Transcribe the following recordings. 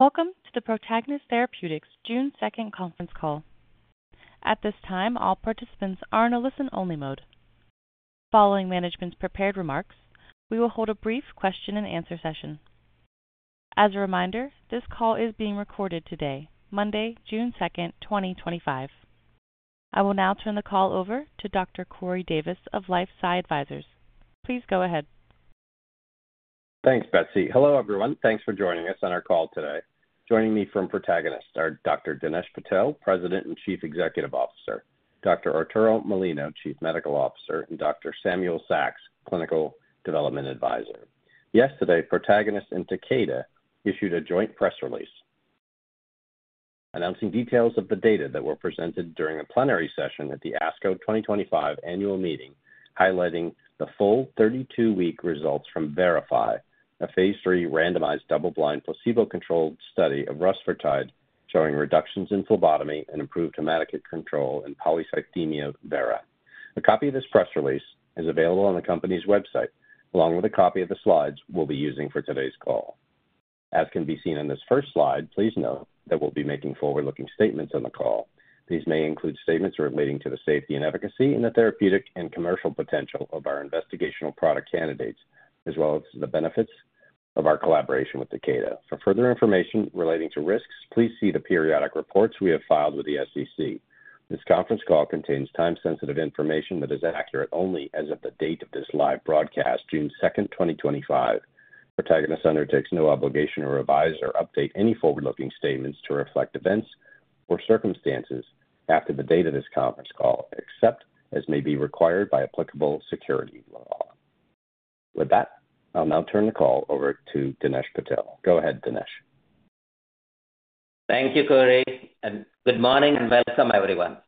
Welcome to the Protagonist Therapeutics June 2nd Conference Call. At this time, all participants are in a listen-only mode. Following management's prepared remarks, we will hold a brief question-and-answer session. As a reminder, this call is being recorded today, Monday, June 2nd, 2025. I will now turn the call over to Dr. Corey Davis of LifeSci Advisors. Please go ahead. Thanks, Betsy. Hello, everyone. Thanks for joining us on our call today. Joining me from Protagonist are Dr. Dinesh Patel, President and Chief Executive Officer; Dr. Arturo Molina, Chief Medical Officer; and Dr. Samuel Saks, Clinical Development Advisor. Yesterday, Protagonist and Takeda issued a joint press release announcing details of the data that were presented during a Plenary Session at the ASCO 2025 annual meeting, highlighting the full 32-week results from VERIFY, a phase III randomized double-blind placebo-controlled study of rusfertide showing reductions in phlebotomy and improved hematocrit control in polycythemia vera. A copy of this press release is available on the company's website, along with a copy of the slides we'll be using for today's call. As can be seen on this first slide, please note that we'll be making forward-looking statements on the call. These may include statements relating to the safety and efficacy and the therapeutic and commercial potential of our investigational product candidates, as well as the benefits of our collaboration with Takeda. For further information relating to risks, please see the periodic reports we have filed with the SEC. This conference call contains time-sensitive information that is accurate only as of the date of this live broadcast, June 2nd, 2025. Protagonist undertakes no obligation to revise or update any forward-looking statements to reflect events or circumstances after the date of this conference call, except as may be required by applicable security law. With that, I'll now turn the call over to Dinesh Patel. Go ahead, Dinesh. Thank you, Corey. Good morning and welcome, everyone.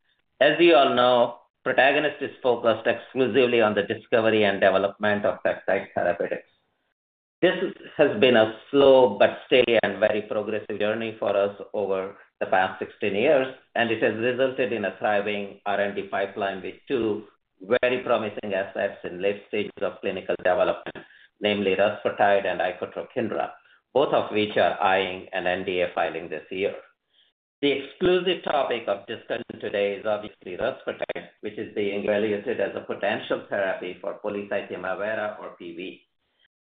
As you all know, Protagonist is focused exclusively on the discovery and development of peptide therapeutics. This has been a slow but steady and very progressive journey for us over the past 16 years, and it has resulted in a thriving R&D pipeline with two very promising assets in late stages of clinical development, namely rusfertide and icotrokinra, both of which are eyeing an NDA filing this year. The exclusive topic of discussion today is obviously rusfertide, which is being evaluated as a potential therapy for polycythemia vera, or PV.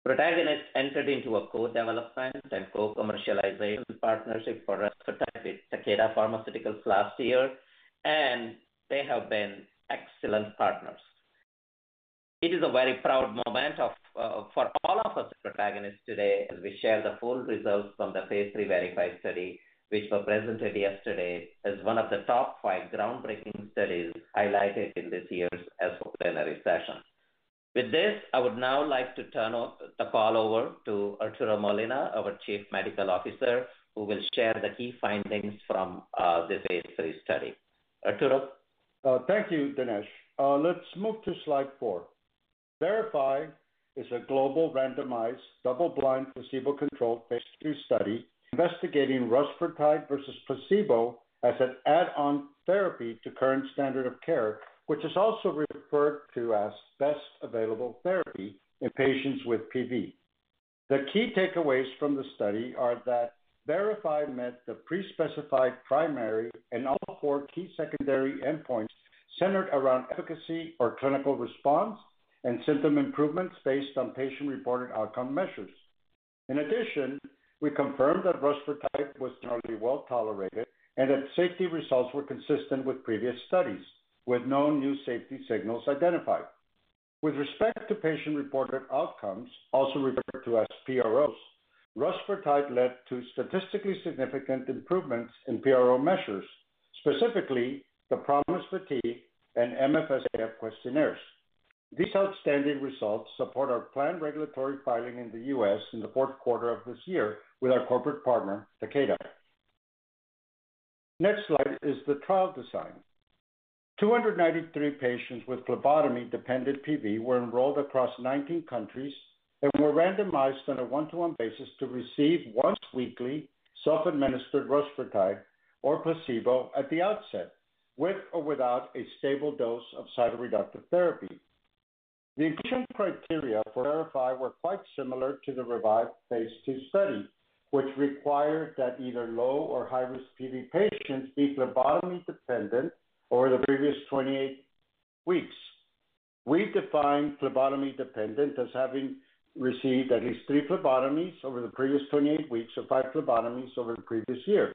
Protagonist entered into a co-development and co-commercialization partnership for rusfertide with Takeda last year, and they have been excellent partners. It is a very proud moment for all of us at Protagonist today as we share the full results from the phase III VERIFY study, which were presented yesterday as one of the top five groundbreaking studies highlighted in this year's ASCO Plenary Session. With this, I would now like to turn the call over to Arturo Molina, our Chief Medical Officer, who will share the key findings from the phase III study. Arturo. Thank you, Dinesh. Let's move to slide four. VERIFY is a global randomized double-blind placebo-controlled phase III study investigating rusfertide versus placebo as an add-on therapy to current standard of care, which is also referred to as best available therapy in patients with PV. The key takeaways from the study are that VERIFY met the pre-specified primary and all four key secondary endpoints centered around efficacy or clinical response and symptom improvements based on patient-reported outcome measures. In addition, we confirmed that rusfertide was generally well tolerated and that safety results were consistent with previous studies, with no new safety signals identified. With respect to patient-reported outcomes, also referred to as PROs, rusfertide led to statistically significant improvements in PRO measures, specifically the PROMIS Fatigue and MFSAF questionnaires. These outstanding results support our planned regulatory filing in the U.S. in the fourth quarter of this year with our corporate partner, Takeda. Next slide is the trial design. 293 patients with phlebotomy-dependent PV were enrolled across 19 countries and were randomized on a one-to-one basis to receive once-weekly self-administered rusfertide or placebo at the outset, with or without a stable dose of cytoreductive therapy. The criteria for VERIFY were quite similar to the REVIVE phase II study, which required that either low or high-risk PV patients be phlebotomy-dependent over the previous 28 weeks. We define phlebotomy-dependent as having received at least three phlebotomies over the previous 28 weeks or five phlebotomies over the previous year.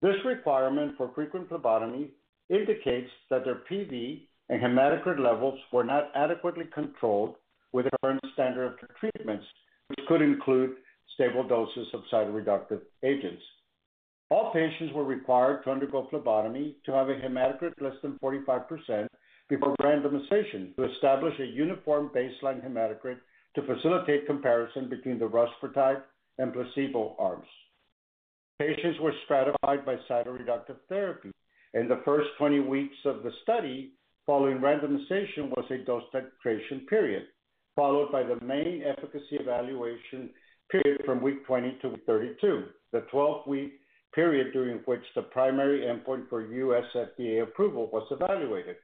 This requirement for frequent phlebotomy indicates that their PV and hematocrit levels were not adequately controlled with current standard of treatments, which could include stable doses of cytoreductive agents. All patients were required to undergo phlebotomy to have a hematocrit less than 45% before randomization to establish a uniform baseline hematocrit to facilitate comparison between the rusfertide and placebo arms. Patients were stratified by cytoreductive therapy. In the first 20 weeks of the study, following randomization was a dose titration period, followed by the main efficacy evaluation period from week 20 to week 32, the 12-week period during which the primary endpoint for USFDA approval was evaluated.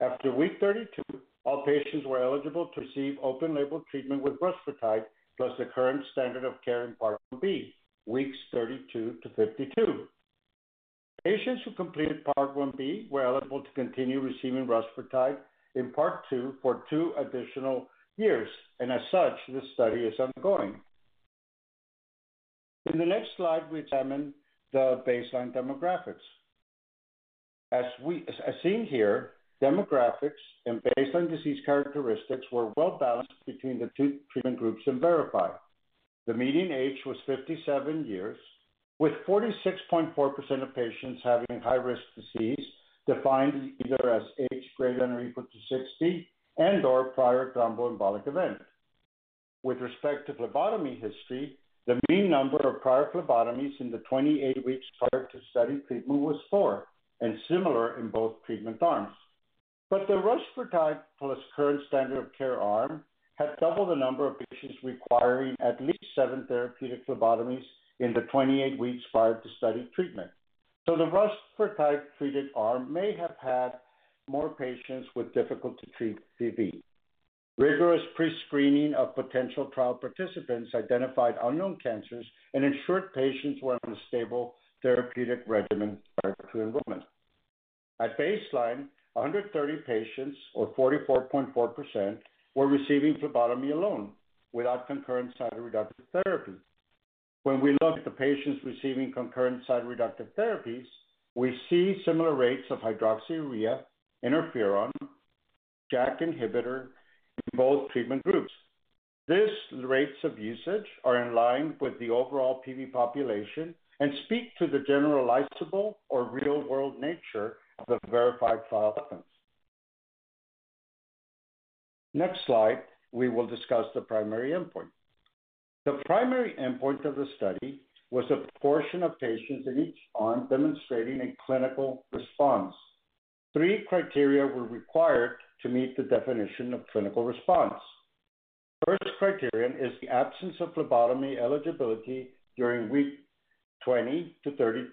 After week 32, all patients were eligible to receive open-label treatment with rusfertide plus the current standard of care in part 1B, weeks 32 to 52. Patients who completed part 1B were eligible to continue receiving rusfertide in part 2 for two additional years, and as such, this study is ongoing. In the next slide, we examine the baseline demographics. As seen here, demographics and baseline disease characteristics were well balanced between the two treatment groups in VERIFY. The median age was 57 years, with 46.4% of patients having high-risk disease defined either as age greater than or equal to 60 and/or prior thromboembolic event. With respect to phlebotomy history, the mean number of prior phlebotomies in the 28 weeks prior to study treatment was 4 and similar in both treatment arms. The rusfertide plus current standard of care arm had double the number of patients requiring at least seven therapeutic phlebotomies in the 28 weeks prior to study treatment. The rusfertide treated arm may have had more patients with difficult-to-treat PV. Rigorous pre-screening of potential trial participants identified unknown cancers and ensured patients were on a stable therapeutic regimen prior to enrollment. At baseline, 130 patients, or 44.4%, were receiving phlebotomy alone without concurrent cytoreductive therapy. When we look at the patients receiving concurrent cytoreductive therapies, we see similar rates of hydroxyurea, interferon, JAK inhibitor in both treatment groups. These rates of usage are in line with the overall PV population and speak to the generalizable or real-world nature of the VERIFY trial outcomes. Next slide, we will discuss the primary endpoint. The primary endpoint of the study was a proportion of patients in each arm demonstrating a clinical response. Three criteria were required to meet the definition of clinical response. The first criterion is the absence of phlebotomy eligibility during week 20-32.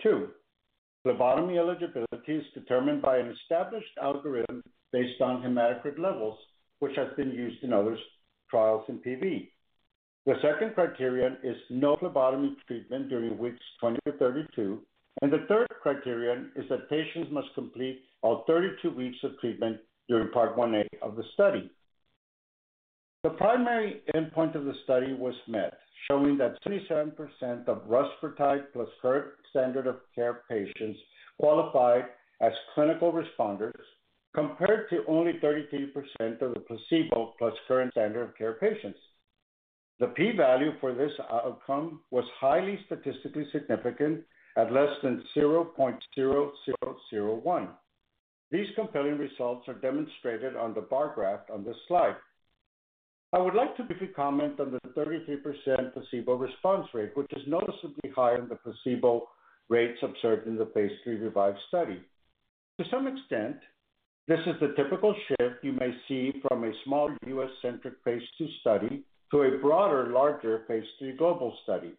Phlebotomy eligibility is determined by an established algorithm based on hematocrit levels, which has been used in other trials in PV. The second criterion is no phlebotomy treatment during weeks 20-32, and the third criterion is that patients must complete all 32 weeks of treatment during part 1A of the study. The primary endpoint of the study was met, showing that 77% of rusfertide plus current standard of care patients qualified as clinical responders compared to only 33% of the placebo plus current standard of care patients. The P-value for this outcome was highly statistically significant at less than 0.0001. These compelling results are demonstrated on the bar graph on this slide. I would like to briefly comment on the 33% placebo response rate, which is noticeably higher than the placebo rates observed in the phase III REVIVE study. To some extent, this is the typical shift you may see from a small U.S.-centric phase II study to a broader, larger phase III global study.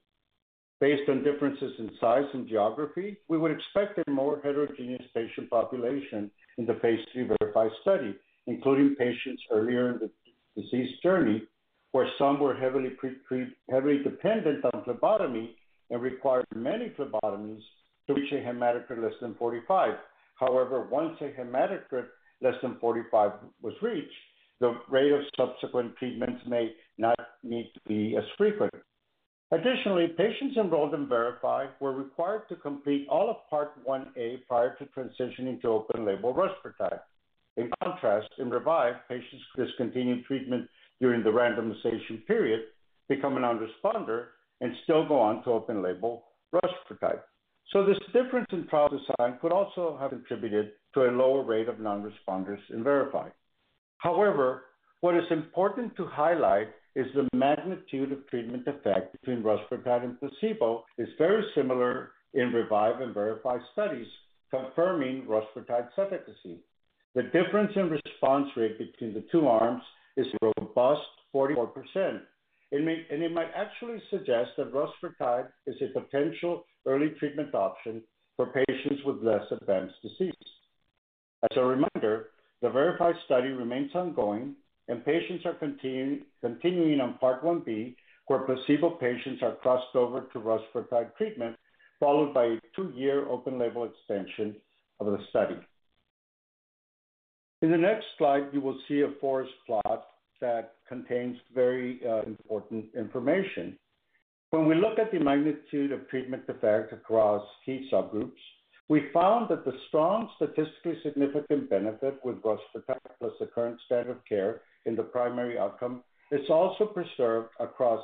Based on differences in size and geography, we would expect a more heterogeneous patient population in the phase III VERIFY study, including patients earlier in the disease journey where some were heavily dependent on phlebotomy and required many phlebotomies to reach a hematocrit less than 45%. However, once a hematocrit less than 45% was reached, the rate of subsequent treatments may not need to be as frequent. Additionally, patients enrolled in VERIFY were required to complete all of part 1A prior to transitioning to open-label rusfertide. In contrast, in REVIVE, patients discontinued treatment during the randomization period, become a non-responder, and still go on to open-label rusfertide. This difference in trial design could also have contributed to a lower rate of non-responders in VERIFY. However, what is important to highlight is the magnitude of treatment effect between rusfertide and placebo is very similar in REVIVE and VERIFY studies, confirming rusfertide efficacy. The difference in response rate between the two arms is robust, 44%. It might actually suggest that rusfertide is a potential early treatment option for patients with less advanced disease. As a reminder, the VERIFY study remains ongoing, and patients are continuing on part 1B, where placebo patients are crossed over to rusfertide treatment, followed by a two-year open-label extension of the study. In the next slide, you will see a forest plot that contains very important information. When we look at the magnitude of treatment effect across key subgroups, we found that the strong, statistically significant benefit with rusfertide plus the current standard of care in the primary outcome is also preserved across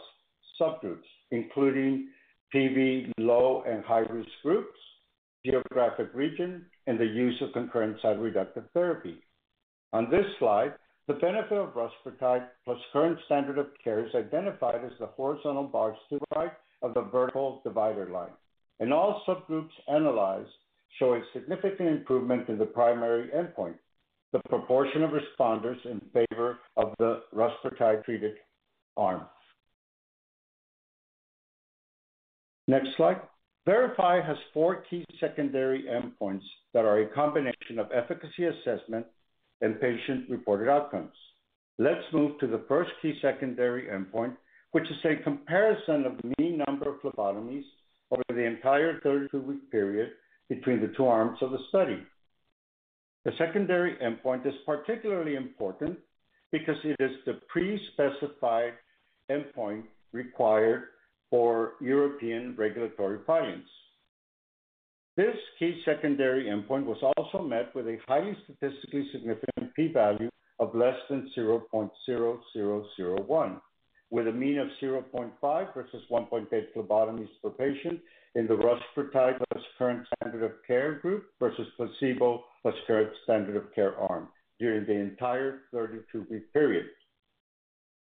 subgroups, including PV low and high-risk groups, geographic region, and the use of concurrent cytoreductive therapy. On this slide, the benefit of rusfertide plus current standard of care is identified as the horizontal bars to the right of the vertical divider line. All subgroups analyzed show a significant improvement in the primary endpoint, the proportion of responders in favor of the rusfertide treated arm. Next slide. VERIFY has four key secondary endpoints that are a combination of efficacy assessment and patient-reported outcomes. Let's move to the first key secondary endpoint, which is a comparison of the mean number of phlebotomies over the entire 32-week period between the two arms of the study. The secondary endpoint is particularly important because it is the pre-specified endpoint required for European regulatory finance. This key secondary endpoint was also met with a highly statistically significant P-value of less than 0.0001, with a mean of 0.5 versus 1.8 phlebotomies per patient in the rusfertide plus current standard of care group versus placebo plus current standard of care arm during the entire 32-week period.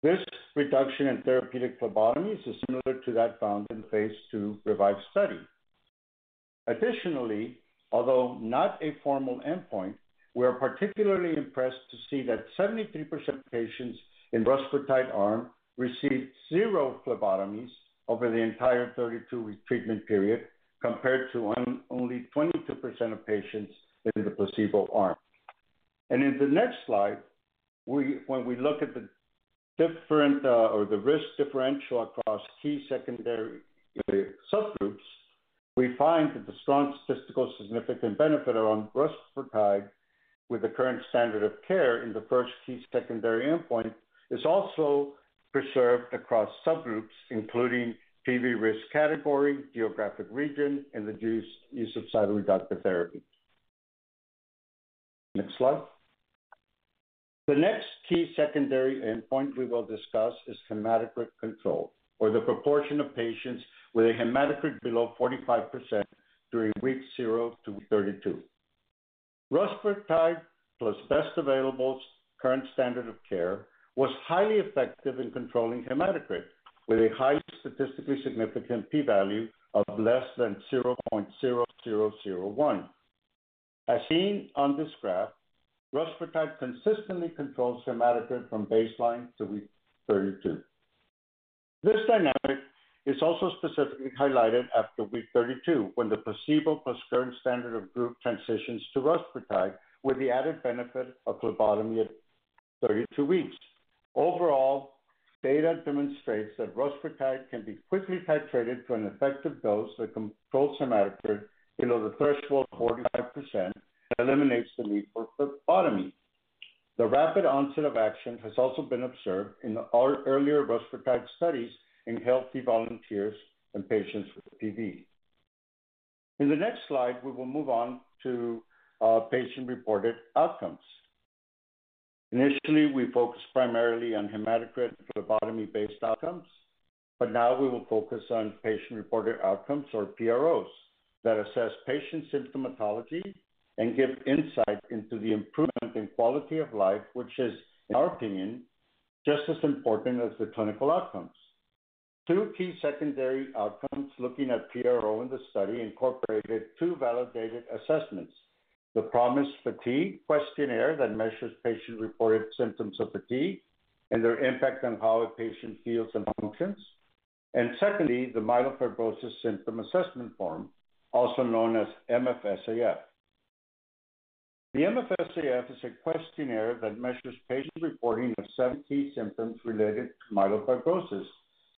This reduction in therapeutic phlebotomies is similar to that found in the phase II REVIVE study. Additionally, although not a formal endpoint, we are particularly impressed to see that 73% of patients in the rusfertide arm received zero phlebotomies over the entire 32-week treatment period compared to only 22% of patients in the placebo arm. In the next slide, when we look at the different or the risk differential across key secondary subgroups, we find that the strong statistically significant benefit around rusfertide with the current standard of care in the first key secondary endpoint is also preserved across subgroups, including PV risk category, geographic region, and the use of cytoreductive therapy. Next slide. The next key secondary endpoint we will discuss is hematocrit control, or the proportion of patients with a hematocrit below 45% during week 0 to week 32. Rusfertide plus best available current standard of care was highly effective in controlling hematocrit with a high statistically significant P-value of less than 0.0001. As seen on this graph, rusfertide consistently controls hematocrit from baseline to week 32. This dynamic is also specifically highlighted after week 32, when the placebo plus current standard of group transitions to rusfertide with the added benefit of phlebotomy at 32 weeks. Overall, data demonstrates that rusfertide can be quickly titrated to an effective dose that controls hematocrit below the threshold of 45% and eliminates the need for phlebotomy. The rapid onset of action has also been observed in the earlier rusfertide studies in healthy volunteers and patients with PV. In the next slide, we will move on to patient-reported outcomes. Initially, we focused primarily on hematocrit and phlebotomy-based outcomes, but now we will focus on patient-reported outcomes, or PROs, that assess patient symptomatology and give insight into the improvement in quality of life, which is, in our opinion, just as important as the clinical outcomes. Two key secondary outcomes looking at PRO in the study incorporated two validated assessments: the PROMIS Fatigue questionnaire that measures patient-reported symptoms of fatigue and their impact on how a patient feels and functions, and secondly, the Myelofibrosis Symptom Assessment Form, also known as MFSAF. The MFSAF is a questionnaire that measures patient reporting of seven key symptoms related to myelofibrosis,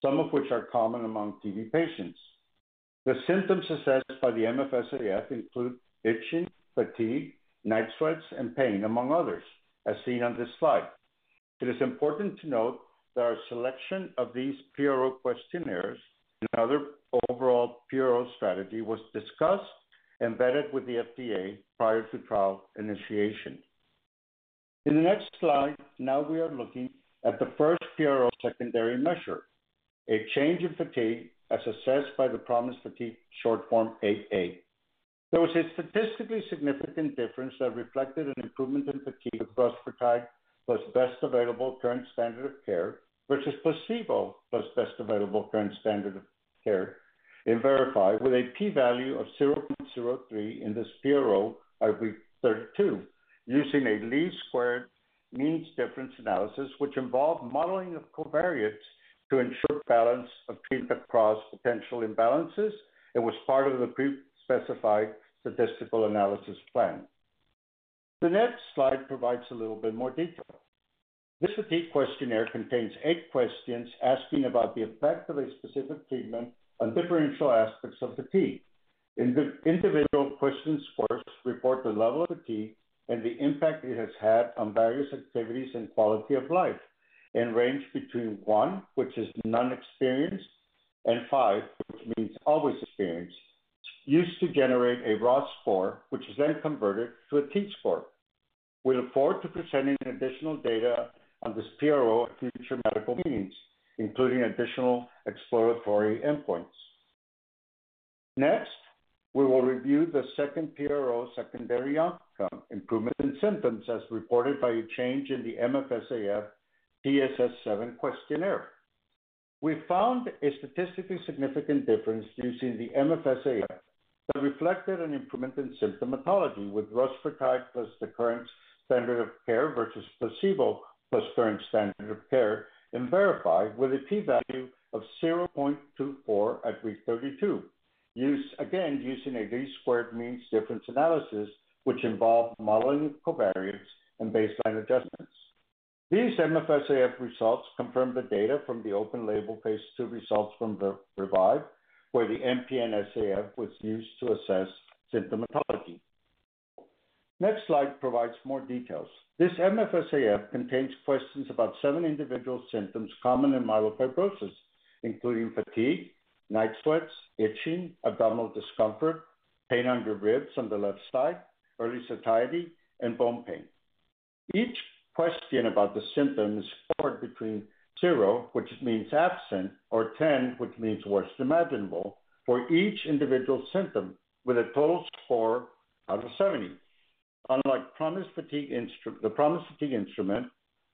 some of which are common among PV patients. The symptoms assessed by the MFSAF include itching, fatigue, night sweats, and pain, among others, as seen on this slide. It is important to note that our selection of these PRO questionnaires and other overall PRO strategy was discussed embedded with the FDA prior to trial initiation. In the next slide, now we are looking at the first PRO secondary measure, a change in fatigue as assessed by the PROMIS Fatigue Short Form 8A. There was a statistically significant difference that reflected an improvement in fatigue with rusfertide plus best available current standard of care versus placebo plus best available current standard of care in VERIFY with a P-value of 0.03 in this PRO by week 32, using a least squared means difference analysis, which involved modeling of covariates to ensure balance of treatment across potential imbalances. It was part of the pre-specified statistical analysis plan. The next slide provides a little bit more detail. This fatigue questionnaire contains eight questions asking about the effect of a specific treatment on differential aspects of fatigue. Individual questions first report the level of fatigue and the impact it has had on various activities and quality of life and range between 1, which is nonexperienced, and 5, which means always experienced, used to generate a raw score, which is then converted to a T-score. We look forward to presenting additional data on this PRO at future medical meetings, including additional exploratory endpoints. Next, we will review the second PRO secondary outcome, improvement in symptoms as reported by a change in the MFSAF TSS-7 questionnaire. We found a statistically significant difference using the MFSAF that reflected an improvement in symptomatology with rusfertide plus the current standard of care versus placebo plus current standard of care in VERIFY with a P-value of 0.24 at week 32, again using a least squared means difference analysis, which involved modeling covariates and baseline adjustments. These MFSAF results confirm the data from the open-label phase II results from REVIVE, where the MFSAF was used to assess symptomatology. Next slide provides more details. This MFSAF contains questions about seven individual symptoms common in myelofibrosis, including fatigue, night sweats, itching, abdominal discomfort, pain under ribs on the left side, early satiety, and bone pain. Each question about the symptoms scored between 0, which means absent, or 10, which means worst imaginable, for each individual symptom with a total score out of 70. Unlike the PROMIS Fatigue instrument,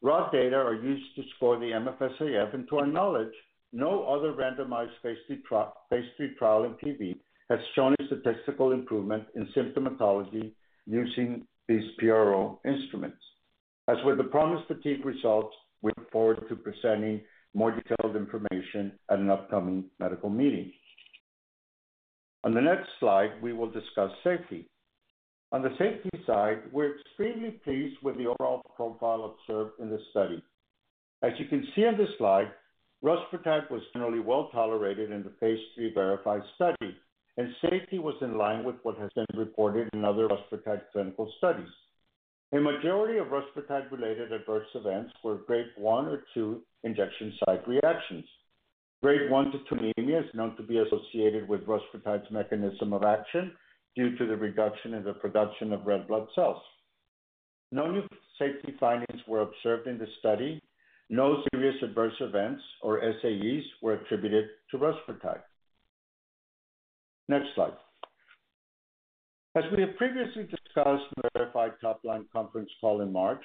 raw data are used to score the MFSAF, and to our knowledge, no other randomized phase III trial in PV has shown a statistical improvement in symptomatology using these PRO instruments. As with the PROMIS Fatigue results, we look forward to presenting more detailed information at an upcoming medical meeting. On the next slide, we will discuss safety. On the safety side, we're extremely pleased with the overall profile observed in this study. As you can see on this slide, rusfertide was generally well tolerated in the phase III VERIFY study, and safety was in line with what has been reported in other rusfertide clinical studies. A majority of rusfertide-related adverse events were grade 1 or 2 injection site reactions. Grade 1 to 2 anemia is known to be associated with rusfertide mechanism of action due to the reduction in the production of red blood cells. No new safety findings were observed in the study. No serious adverse events or SAEs were attributed to rusfertide. Next slide. As we have previously discussed in the VERIFY top-line conference call in March,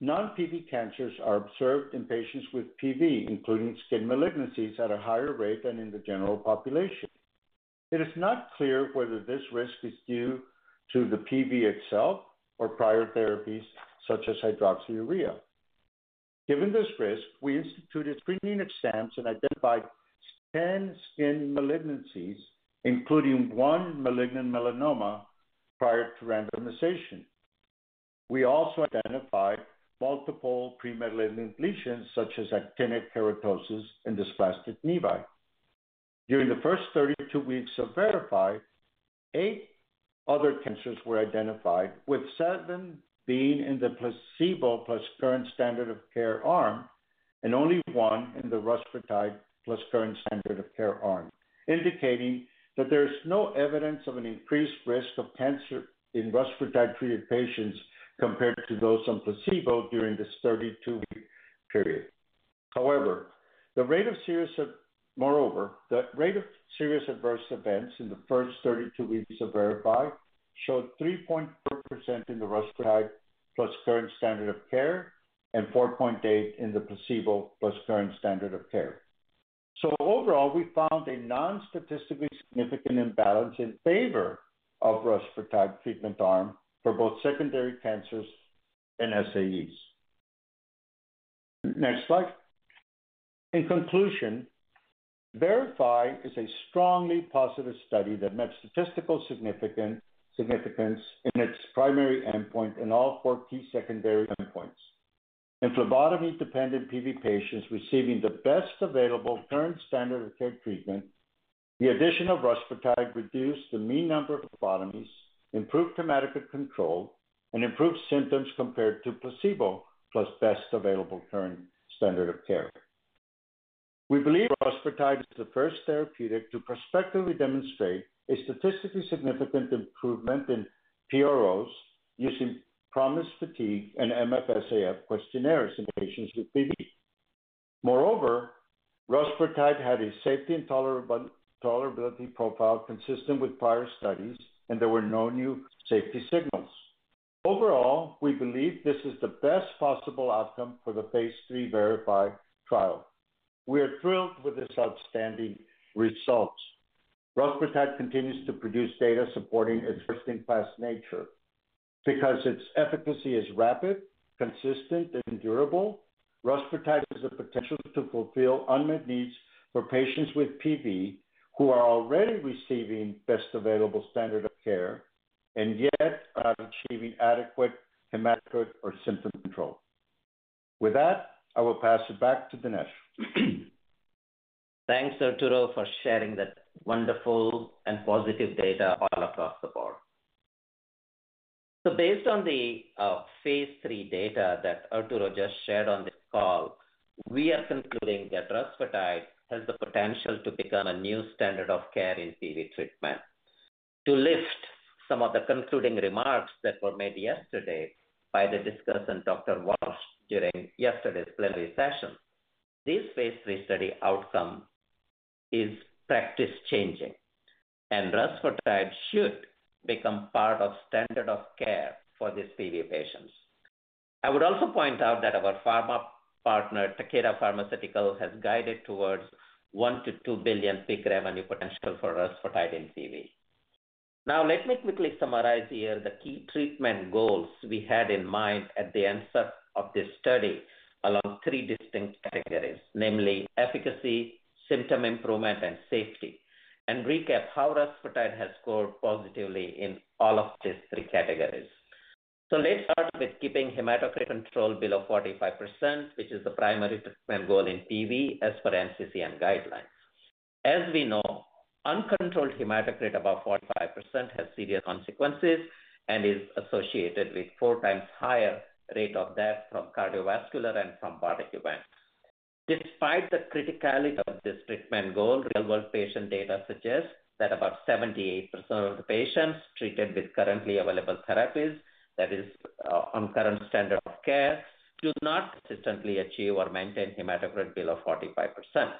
non-PV cancers are observed in patients with PV, including skin malignancies, at a higher rate than in the general population. It is not clear whether this risk is due to the PV itself or prior therapies such as hydroxyurea. Given this risk, we instituted screening exams and identified 10 skin malignancies, including one malignant melanoma prior to randomization. We also identified multiple premalignant lesions such as actinic keratosis and dysplastic nevi. During the first 32 weeks of VERIFY, eight other cancers were identified, with seven being in the placebo plus current standard of care arm and only one in the rusfertide plus current standard of care arm, indicating that there is no evidence of an increased risk of cancer in rusfertide treated patients compared to those on placebo during this 32-week period. However, the rate of serious—moreover, the rate of serious adverse events in the first 32 weeks of VERIFY showed 3.4% in the rusfertide plus current standard of care and 4.8% in the placebo plus current standard of care. Overall, we found a non-statistically significant imbalance in favor of the rusfertide treatment arm for both secondary cancers and SAEs. Next slide. In conclusion, VERIFY is a strongly positive study that met statistical significance in its primary endpoint and all four key secondary endpoints. In phlebotomy-dependent PV patients receiving the best available current standard of care treatment, the addition of rusfertide reduced the mean number of phlebotomies, improved hematocrit control, and improved symptoms compared to placebo plus best available current standard of care. We believe rusfertide is the first therapeutic to prospectively demonstrate a statistically significant improvement in PROs using PROMIS Fatigue and MFSAF questionnaires in patients with PV. Moreover, rusfertide had a safety and tolerability profile consistent with prior studies, and there were no new safety signals. Overall, we believe this is the best possible outcome for the phase III VERIFY trial. We are thrilled with this outstanding result. Rusfertide continues to produce data supporting its first-in-class nature. Because its efficacy is rapid, consistent, and durable, rusfertide has the potential to fulfill unmet needs for patients with PV who are already receiving best available standard of care and yet are not achieving adequate hematocrit or symptom control. With that, I will pass it back to Dinesh. Thanks, Arturo, for sharing that wonderful and positive data all across the board. Based on the phase III data that Arturo just shared on this call, we are concluding that rusfertide has the potential to become a new standard of care in PV treatment. To lift some of the concluding remarks that were made yesterday by the discussant Dr. Walsh during yesterday's Plenary Session, this phase III study outcome is practice-changing, and rusfertide should become part of the standard of care for these PV patients. I would also point out that our pharma partner, Takeda Pharmaceuticals has guided towards $1 billion-$2 billion peak revenue potential for rusfertide in PV. Now, let me quickly summarize here the key treatment goals we had in mind at the answer of this study along three distinct categories, namely efficacy, symptom improvement, and safety, and recap how rusfertide has scored positively in all of these three categories. Let's start with keeping hematocrit control below 45%, which is the primary treatment goal in PV as per NCCN guidelines. As we know, uncontrolled hematocrit above 45% has serious consequences and is associated with a four-times higher rate of death from cardiovascular and from heart events. Despite the criticality of this treatment goal, real-world patient data suggests that about 78% of the patients treated with currently available therapies, that is, on current standard of care, do not consistently achieve or maintain hematocrit below 45%.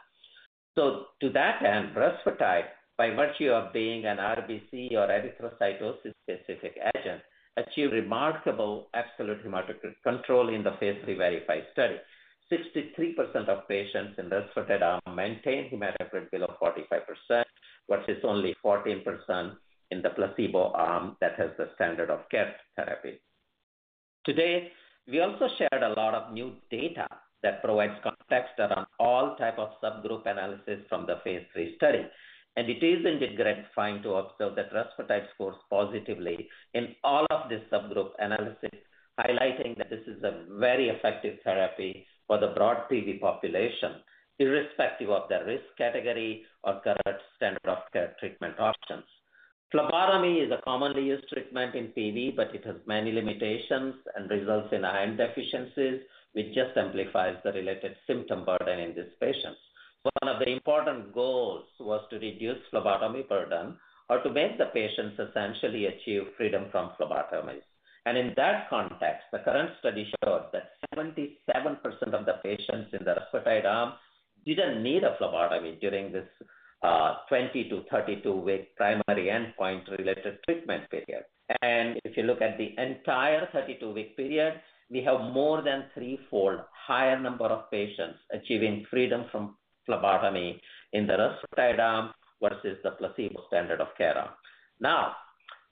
To that end, rusfertide, by virtue of being an RBC or erythrocytosis-specific agent, achieved remarkable absolute hematocrit control in the phase III VERIFY study. 63% of patients in the rusfertide arm maintained hematocrit below 45%, versus only 14% in the placebo arm that has the standard of care therapy. Today, we also shared a lot of new data that provides context around all types of subgroup analysis from the phase III study, and it is indeed gratifying to observe that rusfertide scores positively in all of these subgroup analyses, highlighting that this is a very effective therapy for the broad PV population, irrespective of their risk category or current standard of care treatment options. Phlebotomy is a commonly used treatment in PV, but it has many limitations and results in iron deficiencies, which just amplifies the related symptom burden in these patients. One of the important goals was to reduce phlebotomy burden or to make the patients essentially achieve freedom from phlebotomies. In that context, the current study showed that 77% of the patients in the rusfertide arm did not need a phlebotomy during this 20 to 32-week primary endpoint related treatment period. If you look at the entire 32-week period, we have more than threefold higher number of patients achieving freedom from phlebotomy in the rusfertide arm versus the placebo standard of care arm. Now,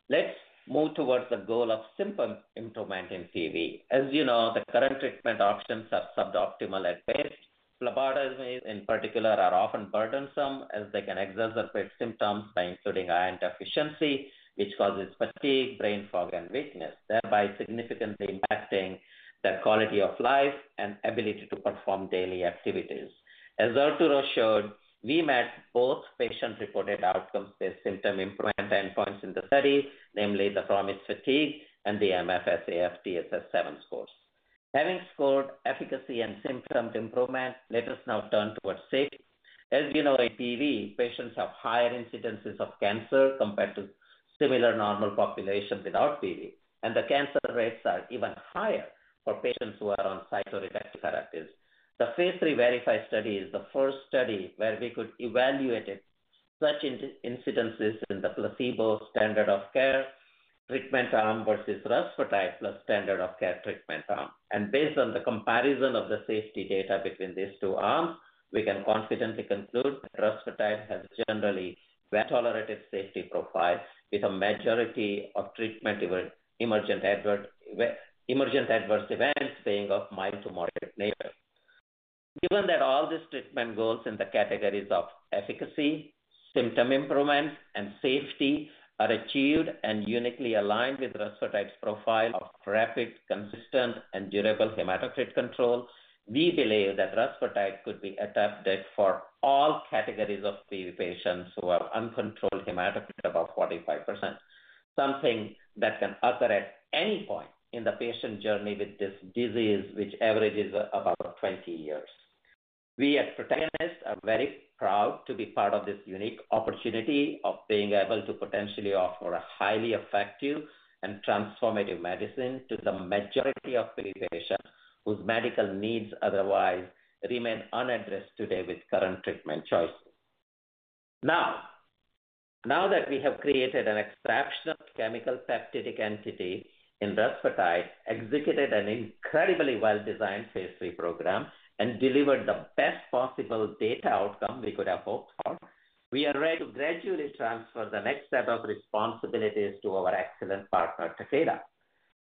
let's move towards the goal of symptom improvement in PV. As you know, the current treatment options are suboptimal at best. Phlebotomies, in particular, are often burdensome as they can exacerbate symptoms by inducing iron deficiency, which causes fatigue, brain fog, and weakness, thereby significantly impacting their quality of life and ability to perform daily activities. As Arturo showed, we met both patient-reported outcomes-based symptom improvement endpoints in the study, namely the PROMIS Fatigue and the MFSAF TSS-7 scores. Having scored efficacy and symptom improvement, let us now turn towards safety. As you know, in PV, patients have higher incidences of cancer compared to similar normal population without PV, and the cancer rates are even higher for patients who are on cytoreductive therapies. The phase III VERIFY study is the first study where we could evaluate such incidences in the placebo standard of care treatment arm versus rusfertide plus standard of care treatment arm. Based on the comparison of the safety data between these two arms, we can confidently conclude that rusfertide has a generally well-tolerated safety profile with a majority of treatment emergent adverse events being of mild to moderate nature. Given that all these treatment goals in the categories of efficacy, symptom improvement, and safety are achieved and uniquely aligned with rusfertide's profile of rapid, consistent, and durable hematocrit control, we believe that rusfertide could be adapted for all categories of PV patients who have uncontrolled hematocrit above 45%, something that can occur at any point in the patient journey with this disease, which averages about 20 years. We at Protagonist are very proud to be part of this unique opportunity of being able to potentially offer a highly effective and transformative medicine to the majority of PV patients whose medical needs otherwise remain unaddressed today with current treatment choices. Now that we have created an exceptional chemical peptidic entity in respiratory, executed an incredibly well-designed phase III program, and delivered the best possible data outcome we could have hoped for, we are ready to gradually transfer the next set of responsibilities to our excellent partner, Takeda.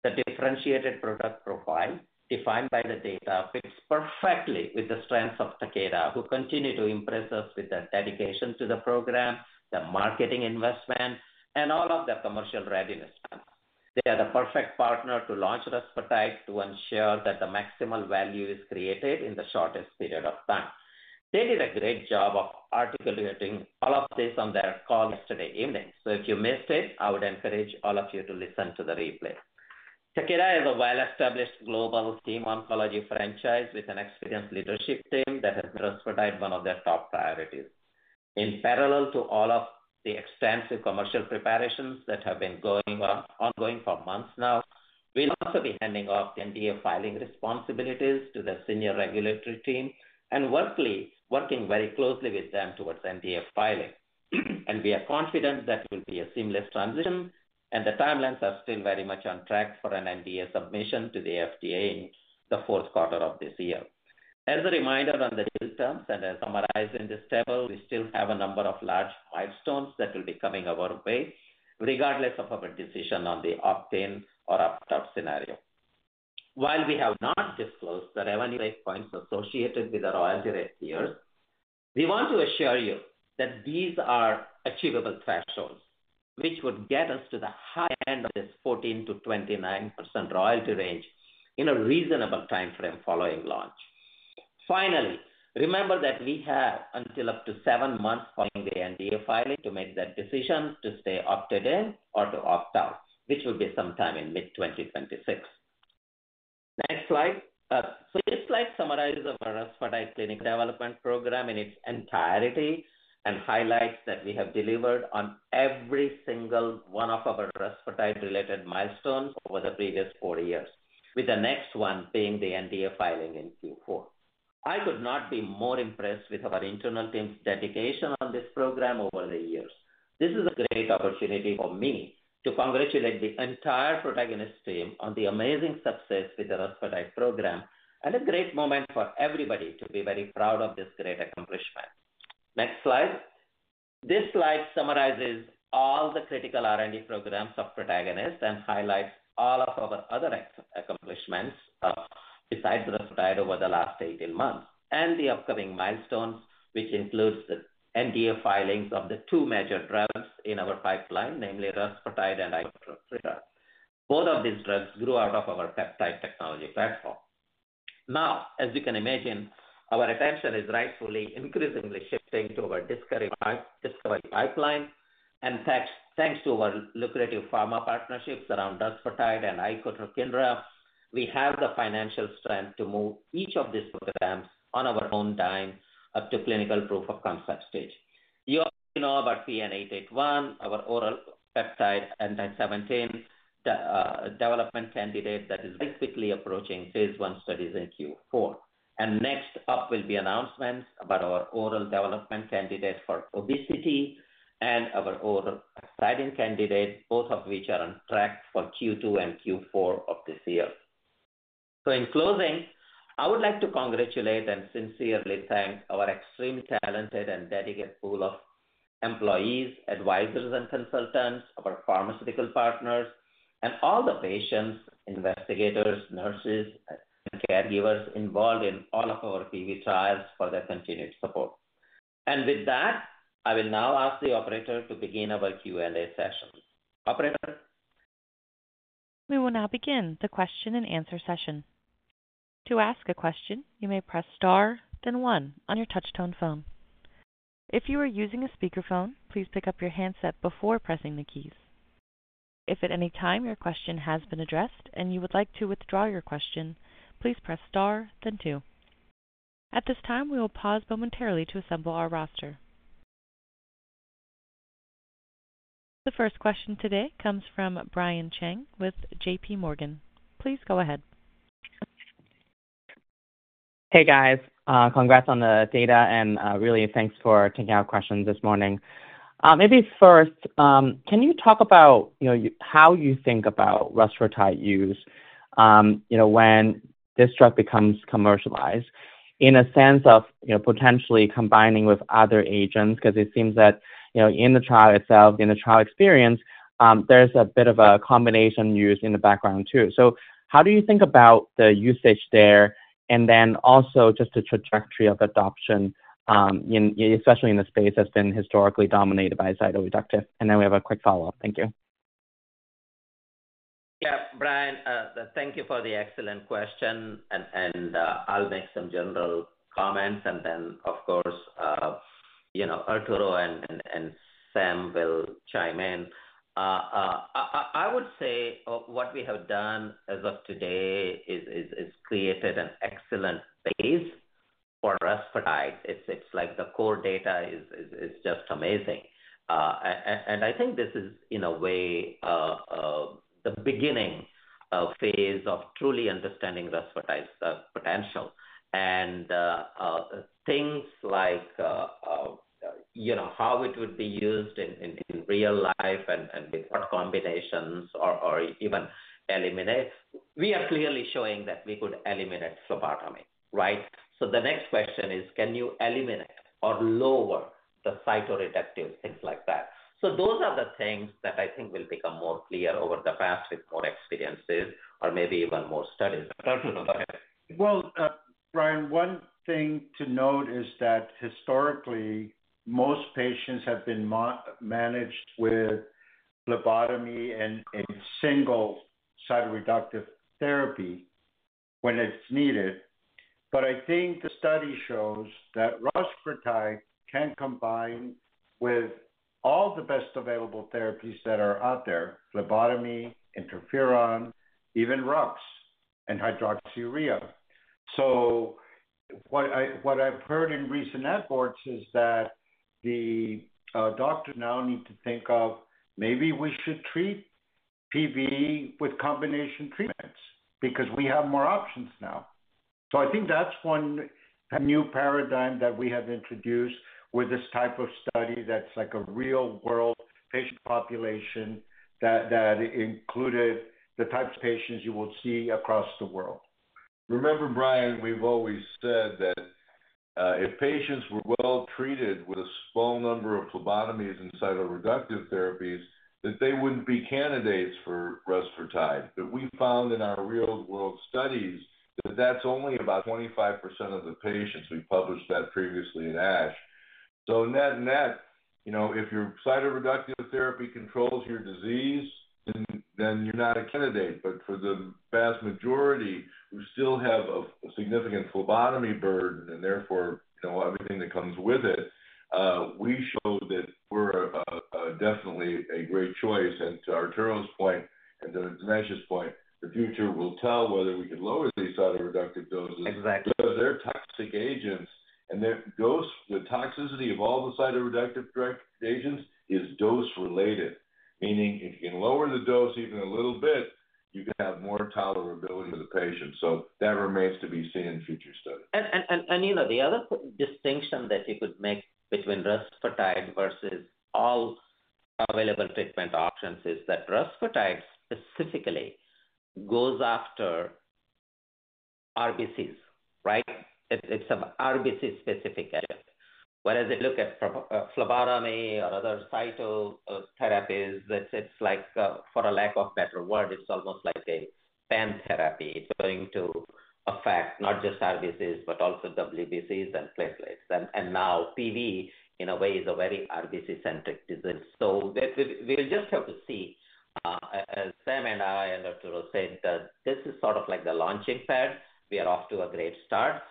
The differentiated product profile defined by the data fits perfectly with the strengths of Takeda, who continue to impress us with their dedication to the program, their marketing investment, and all of their commercial readiness. They are the perfect partner to launch respiratory to ensure that the maximal value is created in the shortest period of time. They did a great job of articulating all of this on their call yesterday evening. If you missed it, I would encourage all of you to listen to the replay. Takeda is a well-established global team oncology franchise with an experienced leadership team that has respiratory as one of their top priorities. In parallel to all of the extensive commercial preparations that have been ongoing for months now, we will also be handing off the NDA filing responsibilities to the senior regulatory team and working very closely with them towards NDA filing. We are confident that it will be a seamless transition, and the timelines are still very much on track for an NDA submission to the FDA in the fourth quarter of this year. As a reminder on the terms and as summarized in this table, we still have a number of large milestones that will be coming our way, regardless of our decision on the opt-in or opt-out scenario. While we have not disclosed the revenue rate points associated with the royalty rate tiers, we want to assure you that these are achievable thresholds, which would get us to the high end of this 14%-29% royalty range in a reasonable timeframe following launch. Finally, remember that we have until up to seven months following the NDA filing to make that decision to stay opted in or to opt out, which will be sometime in mid-2026. Next slide. This slide summarizes our respiratory clinic development program in its entirety and highlights that we have delivered on every single one of our respiratory-related milestones over the previous four years, with the next one being the NDA filing in Q4. I could not be more impressed with our internal team's dedication on this program over the years. This is a great opportunity for me to congratulate the entire Protagonist team on the amazing success with the rusfertide program and a great moment for everybody to be very proud of this great accomplishment. Next slide. This slide summarizes all the critical R&D programs of Protagonist and highlights all of our other accomplishments besides rusfertide over the last 18 months and the upcoming milestones, which includes the NDA filings of the two major drugs in our pipeline, namely rusfertide and icotrokinra. Both of these drugs grew out of our peptide technology platform. Now, as you can imagine, our attention is rightfully increasingly shifting to our discovery pipeline. Thanks to our lucrative pharma partnerships around rusfertide and icotrokinra, we have the financial strength to move each of these programs on our own time up to clinical proof of concept stage. You already know about PN-881, our oral peptide anti-IL-17 development candidate that is basically approaching phase I studies in Q4. Next up will be announcements about our oral development candidate for obesity and our oral peptide candidate, both of which are on track for Q2 and Q4 of this year. In closing, I would like to congratulate and sincerely thank our extremely talented and dedicated pool of employees, advisors, and consultants, our pharmaceutical partners, and all the patients, investigators, nurses, and caregivers involved in all of our PV trials for their continued support. With that, I will now ask the operator to begin our Q&A session. Operator. We will now begin the question and answer session. To ask a question, you may press star, then one on your touch-tone phone. If you are using a speakerphone, please pick up your handset before pressing the keys. If at any time your question has been addressed and you would like to withdraw your question, please press star, then two. At this time, we will pause momentarily to assemble our roster. The first question today comes from Brian Cheng with JPMorgan. Please go ahead. Hey, guys. Congrats on the data, and really thanks for taking our questions this morning. Maybe first, can you talk about how you think about respiratory use when this drug becomes commercialized in a sense of potentially combining with other agents? Because it seems that in the trial itself, in the trial experience, there's a bit of a combination used in the background too. How do you think about the usage there? Also, just the trajectory of adoption, especially in the space that's been historically dominated by cytoreductive? We have a quick follow-up. Thank you. Yeah, Brian, thank you for the excellent question. I'll make some general comments. Then, of course, Arturo and Sam will chime in. I would say what we have done as of today has created an excellent base for rusfertide. It's like the core data is just amazing. I think this is, in a way, the beginning phase of truly understanding rusfertide's potential. Things like how it would be used in real life and with what combinations or even eliminate, we are clearly showing that we could eliminate phlebotomy, right? The next question is, can you eliminate or lower the cytoreductive, things like that? Those are the things that I think will become more clear over the past with more experiences or maybe even more studies. Arturo, go ahead. Brian, one thing to note is that historically, most patients have been managed with phlebotomy and single cytoreductive therapy when it's needed. I think the study shows that rusfertide can combine with all the best available therapies that are out there, phlebotomy, interferon, even RUX, and hydroxyurea. What I've heard in recent networks is that the doctors now need to think of maybe we should treat PV with combination treatments because we have more options now. I think that's one new paradigm that we have introduced with this type of study that's like a real-world patient population that included the types of patients you will see across the world. Remember, Brian, we've always said that if patients were well treated with a small number of phlebotomies and cytoreductive therapies, that they wouldn't be candidates for rusfertide. We found in our real-world studies that that's only about 25% of the patients. We published that previously in ASH. Net-net, if your cytoreductive therapy controls your disease, then you're not a candidate. For the vast majority, who still have a significant phlebotomy burden and therefore everything that comes with it, we show that we're definitely a great choice. To Arturo's point and to Dinesh's point, the future will tell whether we could lower these cytoreductive doses. Exactly. Because they're toxic agents. The toxicity of all the cytoreductive drug agents is dose-related, meaning if you can lower the dose even a little bit, you can have more tolerability for the patient. That remains to be seen in future studies. And the other distinction that you could make between rusfertide versus all available treatment options is that rusfertide specifically goes after RBCs, right? It's an RBC-specific agent. Whereas if you look at phlebotomy or other cytoreductive therapies, it's like, for lack of a better word, it's almost like a pan-therapy. It's going to affect not just RBCs, but also WBCs and platelets. PV, in a way, is a very RBC-centric disease. We'll just have to see. As Sam and I and Arturo said, this is sort of like the launching pad. We are off to a great start.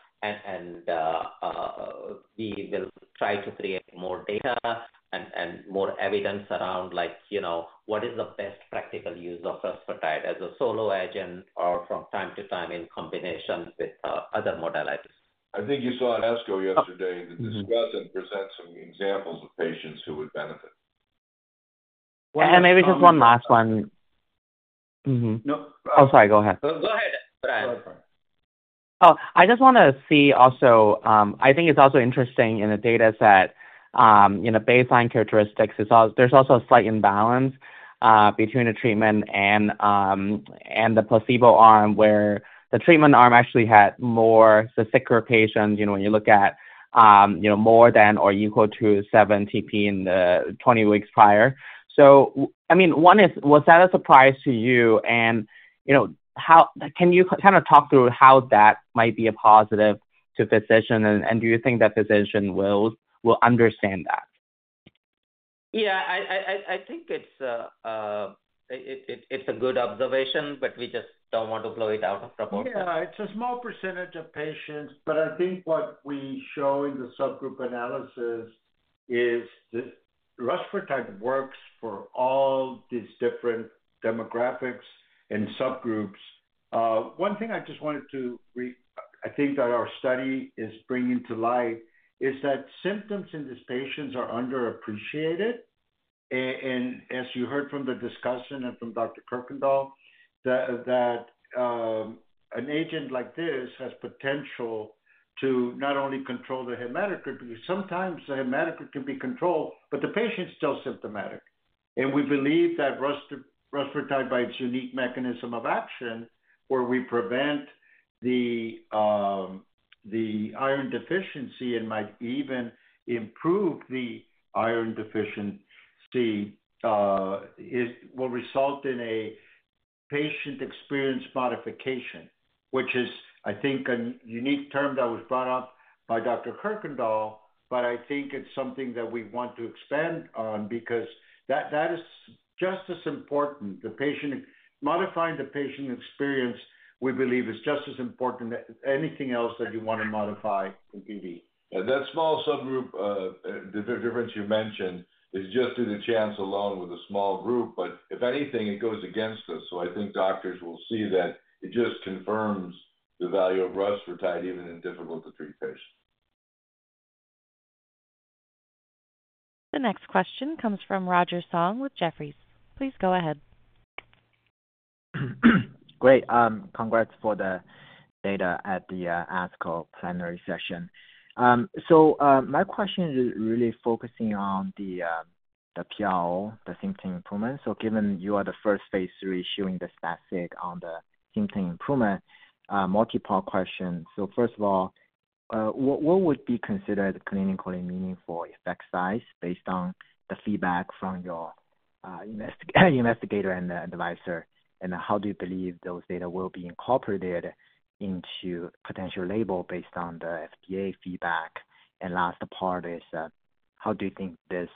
We will try to create more data and more evidence around what is the best practical use of rusfertide as a solo agent or from time to time in combination with other modalities. I think you saw an ASCO yesterday that discussed and presented some examples of patients who would benefit. Maybe just one last one. No. Oh, sorry. Go ahead. Go ahead, Brian. Oh, I just want to see also I think it's also interesting in the data set, in the baseline characteristics, there's also a slight imbalance between the treatment and the placebo arm where the treatment arm actually had more sicker patients when you look at more than or equal to 7 TP in the 20 weeks prior. I mean, one, was that a surprise to you? Can you kind of talk through how that might be a positive to physician? Do you think that physician will understand that? Yeah, I think it's a good observation, but we just don't want to blow it out of proportion. Yeah, it's a small percentage of patients. I think what we show in the subgroup analysis is that rusfertide works for all these different demographics and subgroups. One thing I just wanted to, I think that our study is bringing to light is that symptoms in these patients are underappreciated. As you heard from the discussion and from Dr. Kuykendall, an agent like this has potential to not only control the hematocrit, because sometimes the hematocrit can be controlled, but the patient's still symptomatic. We believe that rusfertide, by its unique mechanism of action, where we prevent the iron deficiency and might even improve the iron deficiency, will result in a patient experience modification, which is, I think, a unique term that was brought up by Dr. Kuykendall. I think it's something that we want to expand on because that is just as important. Modifying the patient experience, we believe, is just as important as anything else that you want to modify in PV. That small subgroup difference you mentioned is just due to chance alone with a small group. If anything, it goes against us. I think doctors will see that it just confirms the value of rusfertide even in difficult-to-treat patients. The next question comes from Roger Song with Jefferies. Please go ahead. Great. Congrats for the data at the ASCO Plenary Session. My question is really focusing on the PRO, the symptom improvement. Given you are the first phase III showing the static on the symptom improvement, multiple questions. First of all, what would be considered clinically meaningful effect size based on the feedback from your investigator and the advisor? How do you believe those data will be incorporated into potential label based on the FDA feedback? Last part is, how do you think this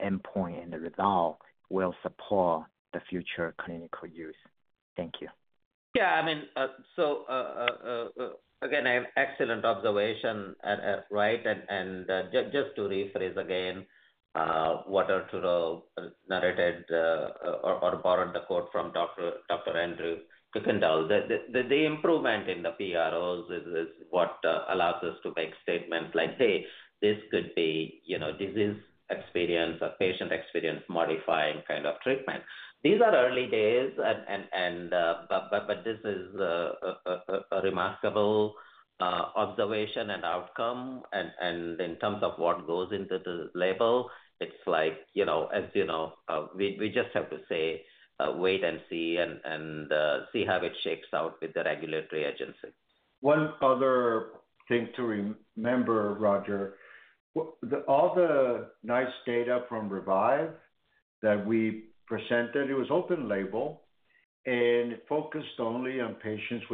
endpoint and the result will support the future clinical use? Thank you. Yeah. I mean, again, excellent observation, right? And just to rephrase again what Arturo narrated or borrowed the quote from Dr. Andrew Kuykendall, the improvement in the PROs is what allows us to make statements like, "Hey, this could be disease experience or patient experience modifying kind of treatment." These are early days, but this is a remarkable observation and outcome. In terms of what goes into the label, it's like, as you know, we just have to say, "Wait and see," and see how it shakes out with the regulatory agency. One other thing to remember, Roger, all the nice data from REVIVE that we presented, it was open label and focused only on patients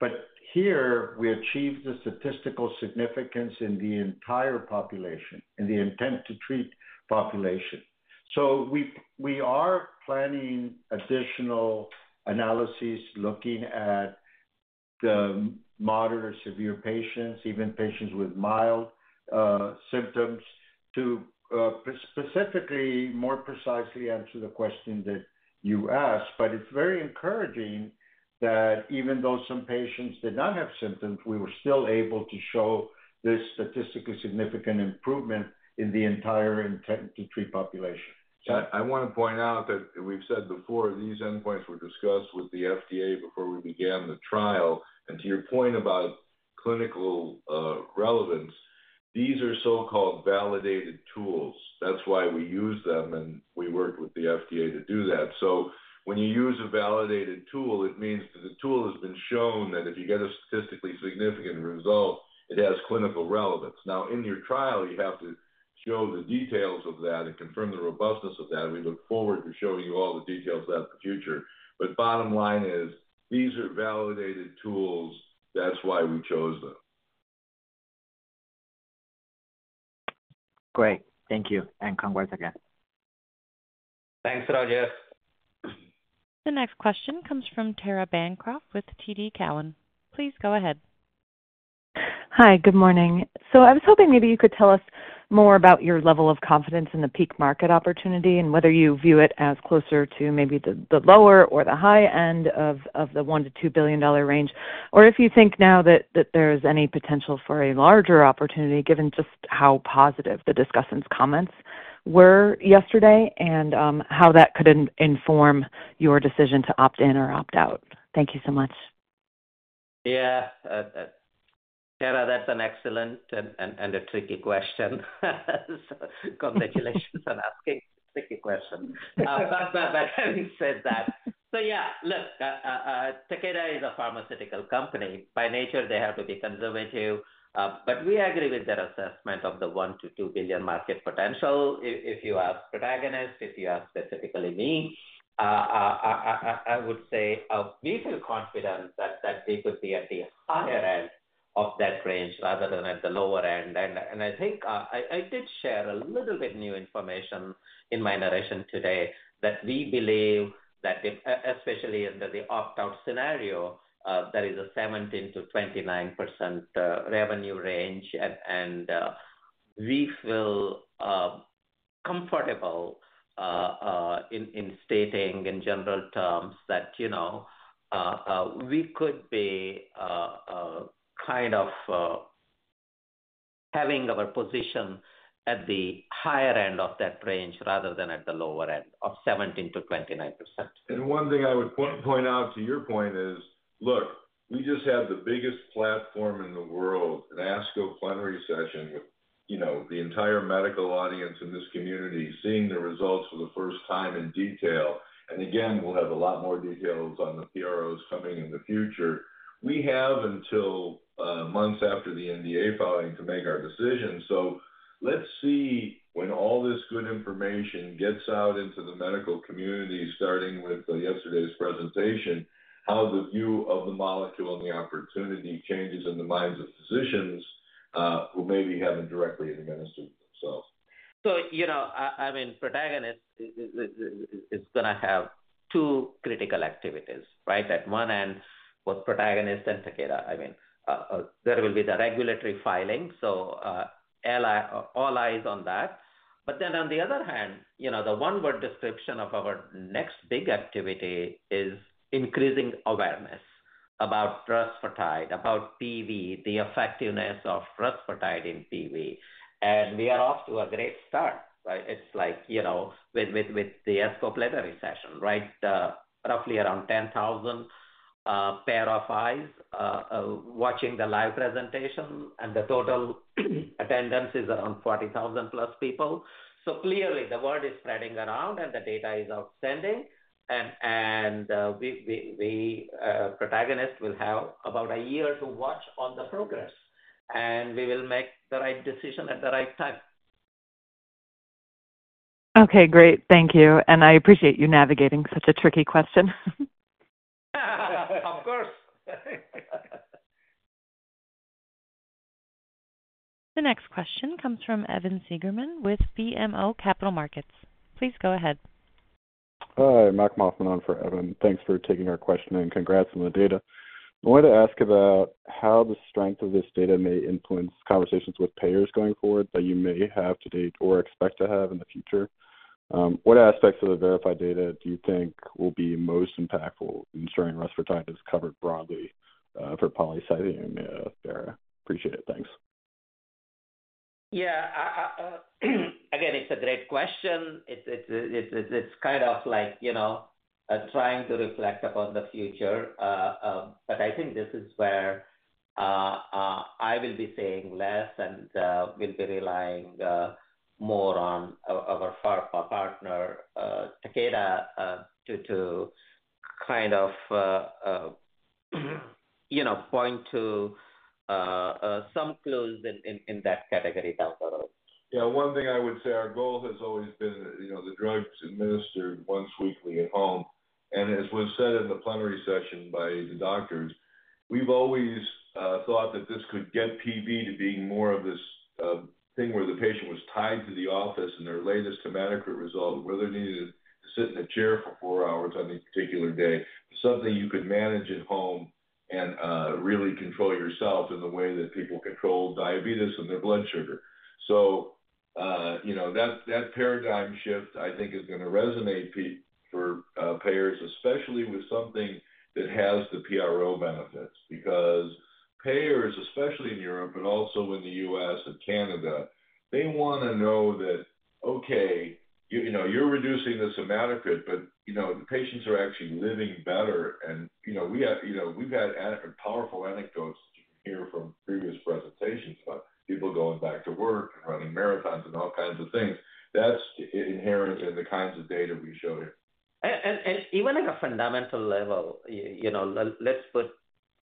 with moderate or severe. Here, we achieved the statistical significance in the entire population, in the intent-to-treat population. We are planning additional analyses looking at the moderate or severe patients, even patients with mild symptoms to specifically more precisely answer the question that you asked. It is very encouraging that even though some patients did not have symptoms, we were still able to show this statistically significant improvement in the entire intent-to-treat population. I want to point out that we've said before, these endpoints were discussed with the FDA before we began the trial. To your point about clinical relevance, these are so-called validated tools. That's why we use them, and we worked with the FDA to do that. When you use a validated tool, it means that the tool has been shown that if you get a statistically significant result, it has clinical relevance. In your trial, you have to show the details of that and confirm the robustness of that. We look forward to showing you all the details of that in the future. The bottom line is, these are validated tools. That's why we chose them. Great. Thank you. And congrats again. Thanks, Roger. The next question comes from Tara Bancroft with TD Cowen. Please go ahead. Hi, good morning. I was hoping maybe you could tell us more about your level of confidence in the peak market opportunity and whether you view it as closer to maybe the lower or the high end of the $1 billion-$2 billion range, or if you think now that there is any potential for a larger opportunity given just how positive the discussants' comments were yesterday and how that could inform your decision to opt in or opt out. Thank you so much. Yeah. Tara, that's an excellent and a tricky question. Congratulations on asking a tricky question. Having said that, yeah, look, Takeda is a pharmaceutical company. By nature, they have to be conservative. We agree with their assessment of the $1 billion-$2 billion market potential. If you ask Protagonist, if you ask specifically me, I would say we feel confident that we could be at the higher end of that range rather than at the lower end. I think I did share a little bit new information in my narration today that we believe that especially under the opt-out scenario, there is a 17%-29% revenue range. We feel comfortable in stating in general terms that we could be kind of having our position at the higher end of that range rather than at the lower end of 17%-29%. One thing I would point out to your point is, look, we just had the biggest platform in the world, an ASCO Plenary Session with the entire medical audience in this community seeing the results for the first time in detail. Again, we'll have a lot more details on the PROs coming in the future. We have until months after the NDA filing to make our decision. Let's see when all this good information gets out into the medical community, starting with yesterday's presentation, how the view of the molecule and the opportunity changes in the minds of physicians who maybe haven't directly administered themselves. I mean, Protagonist is going to have two critical activities, right? At one end, both Protagonist and Takeda. I mean, there will be the regulatory filing. All eyes on that. On the other hand, the one-word description of our next big activity is increasing awareness about rusfertide, about PV, the effectiveness of rusfertide in PV. We are off to a great start, right? It's like with the ASCO Plenary Session, right? Roughly around 10,000 pair of eyes watching the live presentation, and the total attendance is around 40,000+ people. Clearly, the word is spreading around, and the data is outstanding. We, Protagonist, will have about a year to watch on the progress, and we will make the right decision at the right time. Okay. Great. Thank you. I appreciate you navigating such a tricky question. Of course. The next question comes from Evan Seigerman with BMO Capital Markets. Please go ahead. Hi. [Mark Mauffin] on for Evan. Thanks for taking our question and congrats on the data. I wanted to ask about how the strength of this data may influence conversations with payers going forward that you may have to date or expect to have in the future. What aspects of the VERIFY data do you think will be most impactful in ensuring rusfertide is covered broadly for polycythemia vera? Appreciate it. Thanks. Yeah. Again, it's a great question. It's kind of like trying to reflect upon the future. I think this is where I will be saying less and will be relying more on our partner, Takeda, to kind of point to some clues in that category down the road. Yeah. One thing I would say, our goal has always been the drug's administered once weekly at home. As was said in the Plenary Session by the doctors, we've always thought that this could get PV to being more of this thing where the patient was tied to the office and their latest hematocrit result, where they needed to sit in a chair for four hours on a particular day, something you could manage at home and really control yourself in the way that people control diabetes and their blood sugar. That paradigm shift, I think, is going to resonate for payers, especially with something that has the PRO benefits. Because payers, especially in Europe, but also in the U.S. and Canada, they want to know that, "Okay, you're reducing this hematocrit, but the patients are actually living better." We've had powerful anecdotes that you can hear from previous presentations about people going back to work and running marathons and all kinds of things. That is inherent in the kinds of data we showed here. Even at a fundamental level, let's put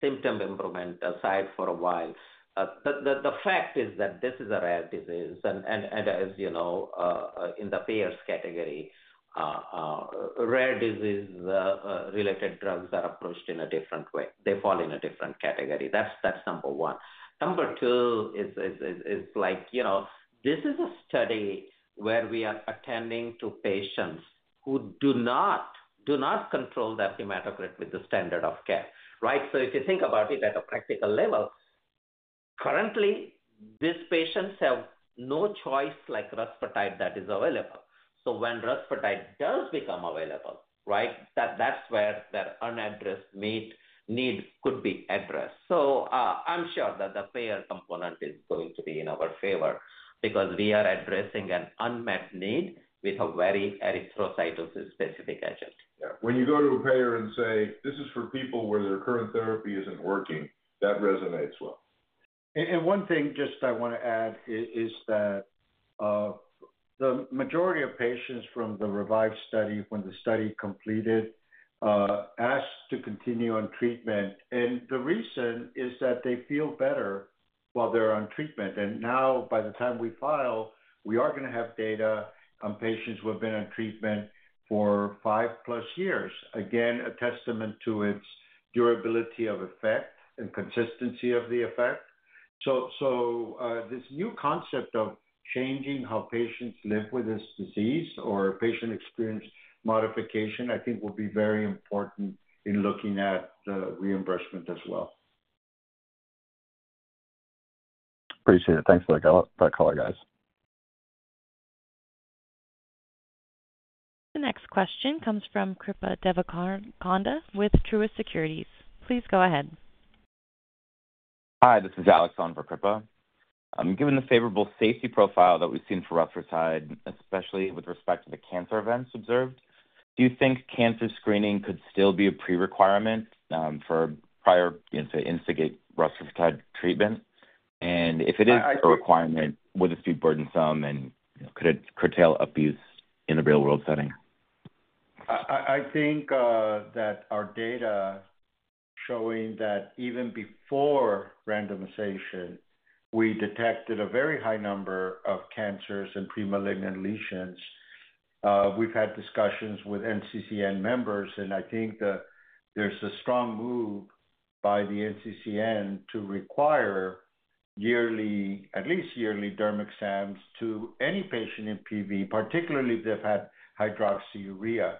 symptom improvement aside for a while. The fact is that this is a rare disease. As you know, in the payers category, rare disease-related drugs are approached in a different way. They fall in a different category. That's number one. Number two is, this is a study where we are attending to patients who do not control their hematocrit with the standard of care, right? If you think about it at a practical level, currently, these patients have no choice like rusfertide that is available. When rusfertide does become available, that's where their unaddressed need could be addressed. I'm sure that the payer component is going to be in our favor because we are addressing an unmet need with a very erythrocytosis-specific agent. Yeah. When you go to a payer and say, "This is for people where their current therapy isn't working," that resonates well. One thing just I want to add is that the majority of patients from the REVIVE study, when the study completed, asked to continue on treatment. The reason is that they feel better while they're on treatment. By the time we file, we are going to have data on patients who have been on treatment for five plus years. Again, a testament to its durability of effect and consistency of the effect. This new concept of changing how patients live with this disease or patient experience modification, I think, will be very important in looking at the reimbursement as well. Appreciate it. Thanks for the call, guys. The next question comes from Kripa Devarakonda with Truist Securities. Please go ahead. Hi. This is Alex on for Kripa. Given the favorable safety profile that we've seen for rusfertide, especially with respect to the cancer events observed, do you think cancer screening could still be a prerequirement for prior to instigate rusfertide treatment? If it is a requirement, would this be burdensome and could it curtail abuse in a real-world setting? I think that our data showing that even before randomization, we detected a very high number of cancers and premalignant lesions. We've had discussions with NCCN members, and I think there's a strong move by the NCCN to require at least yearly derm exams to any patient in PV, particularly if they've had hydroxyurea.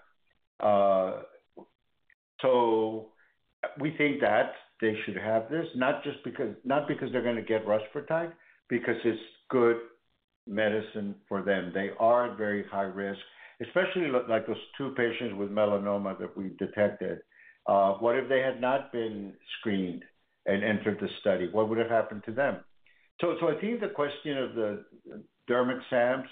We think that they should have this, not because they're going to get rusfertide, because it's good medicine for them. They are at very high risk, especially like those two patients with melanoma that we detected. What if they had not been screened and entered the study? What would have happened to them? I think the question of the derm exams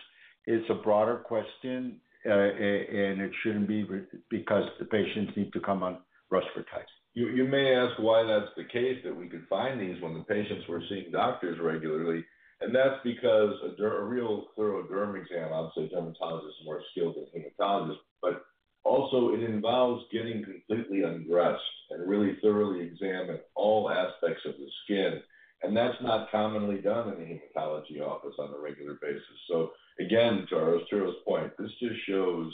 is a broader question, and it shouldn't be because the patients need to come on rusfertide. You may ask why that's the case that we could find these when the patients were seeing doctors regularly. That's because a real thorough derm exam, I'll say, dermatologist is more skilled than hematologist. It also involves getting completely undressed and really thoroughly examine all aspects of the skin. That's not commonly done in the hematology office on a regular basis. Again, to Aristotle's point, this just shows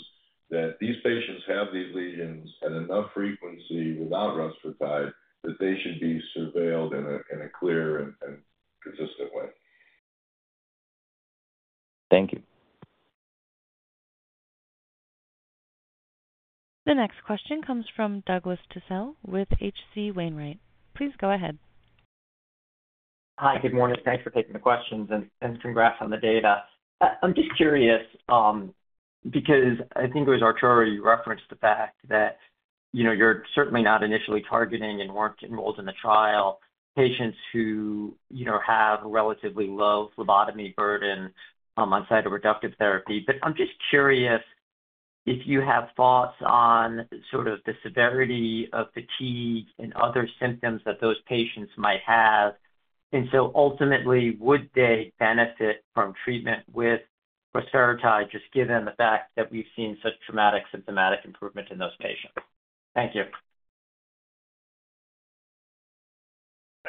that these patients have these lesions at enough frequency without respiratory that they should be surveilled in a clear and consistent way. Thank you. The next question comes from Douglas Tsao with H.C. Wainwright. Please go ahead. Hi. Good morning. Thanks for taking the questions and congrats on the data. I'm just curious because I think it was Arturo you referenced the fact that you're certainly not initially targeting and weren't enrolled in the trial patients who have relatively low phlebotomy burden on cytoreductive therapy. I'm just curious if you have thoughts on sort of the severity of fatigue and other symptoms that those patients might have. Ultimately, would they benefit from treatment with rusfertide just given the fact that we've seen such dramatic symptomatic improvement in those patients? Thank you.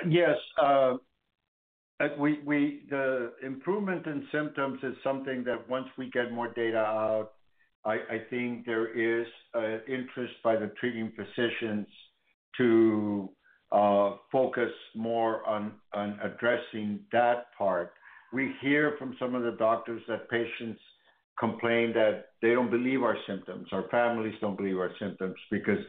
Yes. The improvement in symptoms is something that once we get more data out, I think there is an interest by the treating physicians to focus more on addressing that part. We hear from some of the doctors that patients complain that they don't believe our symptoms. Our families don't believe our symptoms because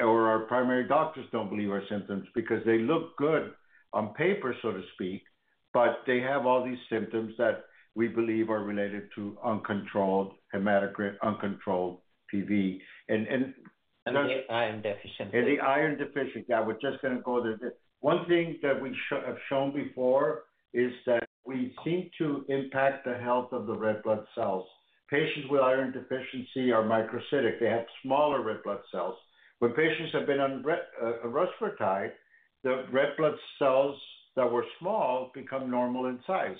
or our primary doctors don't believe our symptoms because they look good on paper, so to speak, but they have all these symptoms that we believe are related to uncontrolled hematocrit, uncontrolled PV. The iron deficiency. The iron deficiency. I was just going to go there. One thing that we have shown before is that we seem to impact the health of the red blood cells. Patients with iron deficiency are microcytic. They have smaller red blood cells. When patients have been on rusfertide, the red blood cells that were small become normal in size,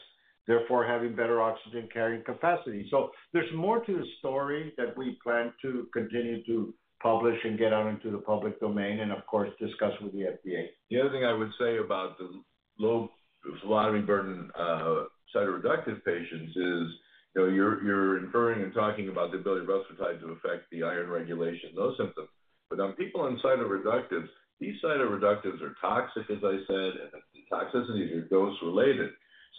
therefore having better oxygen carrying capacity. There is more to the story that we plan to continue to publish and get out into the public domain and, of course, discuss with the FDA. The other thing I would say about the low phlebotomy burden cytoreductive patients is you're inferring and talking about the ability of rusfertide to affect the iron regulation, those symptoms. On people on cytoreductives, these cytoreductives are toxic, as I said, and the toxicity is dose related.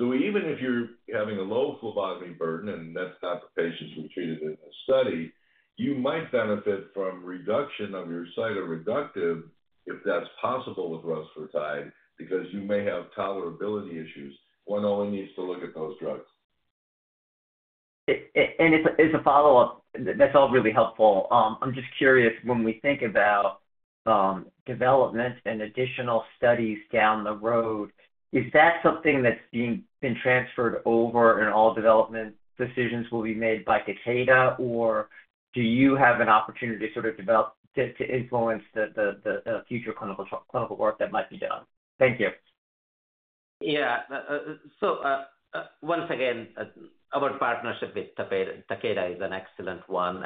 Even if you're having a low phlebotomy burden and that's not the patients we treated in the study, you might benefit from reduction of your cytoreductive if that's possible with rusfertide because you may have tolerability issues. One only needs to look at those drugs. As a follow-up, that's all really helpful. I'm just curious, when we think about development and additional studies down the road, is that something that's been transferred over and all development decisions will be made by Takeda, or do you have an opportunity to sort of develop to influence the future clinical work that might be done? Thank you. Yeah. Once again, our partnership with Takeda is an excellent one.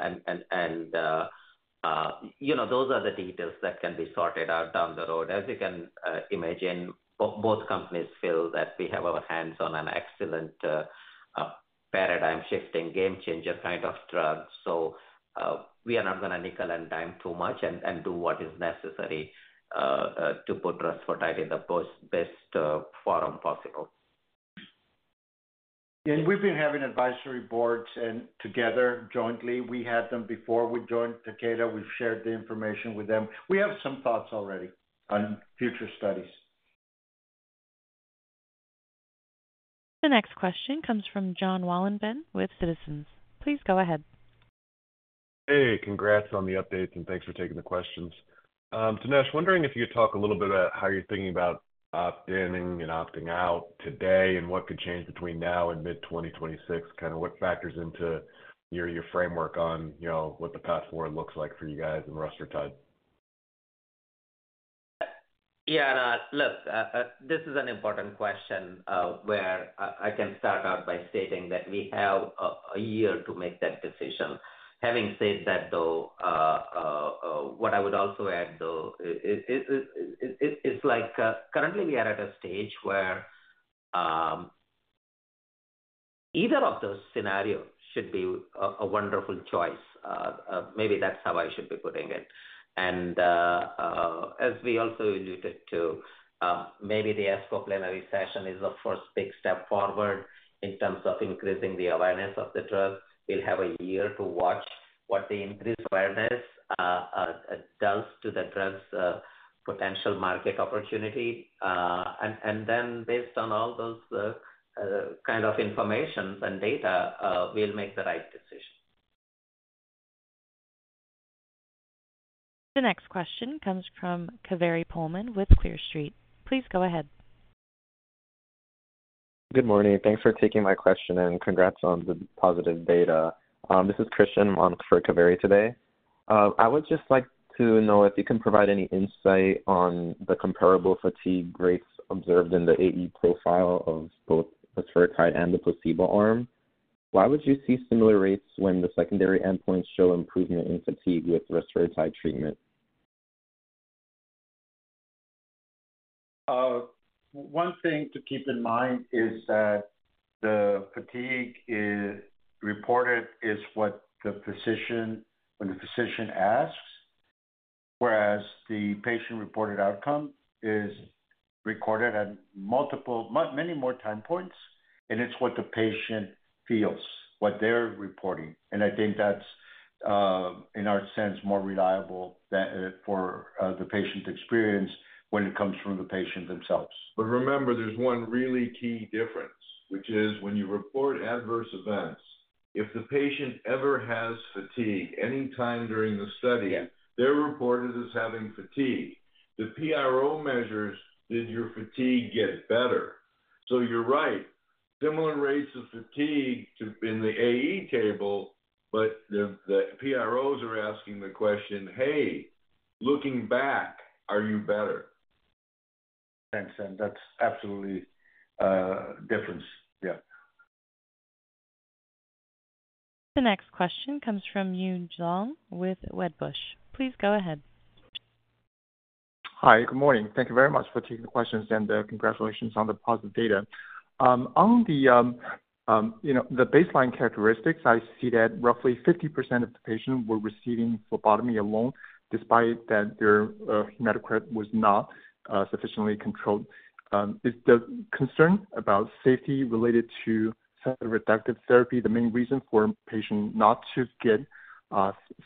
Those are the details that can be sorted out down the road. As you can imagine, both companies feel that we have our hands on an excellent paradigm-shifting, game-changer kind of drug. We are not going to nickel and dime too much and do what is necessary to put rusfertide in the best forum possible. We have been having advisory boards together jointly. We had them before we joined Takeda. We have shared the information with them. We have some thoughts already on future studies. The next question comes from Jon Wolleben with Citizens. Please go ahead. Hey. Congrats on the updates, and thanks for taking the questions. Dinesh, wondering if you could talk a little bit about how you're thinking about opting in and opting out today and what could change between now and mid-2026, kind of what factors into your framework on what the path forward looks like for you guys in respiratory? Yeah. Look, this is an important question where I can start out by stating that we have a year to make that decision. Having said that, though, what I would also add, though, is currently, we are at a stage where either of those scenarios should be a wonderful choice. Maybe that's how I should be putting it. As we also alluded to, maybe the ASCO Plenary Session is the first big step forward in terms of increasing the awareness of the drug. We'll have a year to watch what the increased awareness does to the drug's potential market opportunity. Then, based on all those kind of information and data, we'll make the right decision. The next question comes from Kaveri Pohlman with Clear Street. Please go ahead. Good morning. Thanks for taking my question and congrats on the positive data. This is Christian on for Kaveri today. I would just like to know if you can provide any insight on the comparable fatigue rates observed in the AE profile of both rusfertide and the placebo arm. Why would you see similar rates when the secondary endpoints show improvement in fatigue with rusfertide treatment? One thing to keep in mind is that the fatigue reported is what the physician asks, whereas the patient-reported outcome is recorded at many more time points, and it is what the patient feels, what they are reporting. I think that is, in our sense, more reliable for the patient experience when it comes from the patient themselves. Remember, there's one really key difference, which is when you report adverse events, if the patient ever has fatigue anytime during the study, they're reported as having fatigue. The PRO measures, did your fatigue get better? You're right. Similar rates of fatigue in the AE table, but the PROs are asking the question, "Hey, looking back, are you better? Thanks. That is absolutely a difference. Yeah. The next question comes from Yun Zhong with Wedbush. Please go ahead. Hi. Good morning. Thank you very much for taking the questions and congratulations on the positive data. On the baseline characteristics, I see that roughly 50% of the patients were receiving phlebotomy alone despite that their hematocrit was not sufficiently controlled. Is the concern about safety related to cytoreductive therapy the main reason for a patient not to get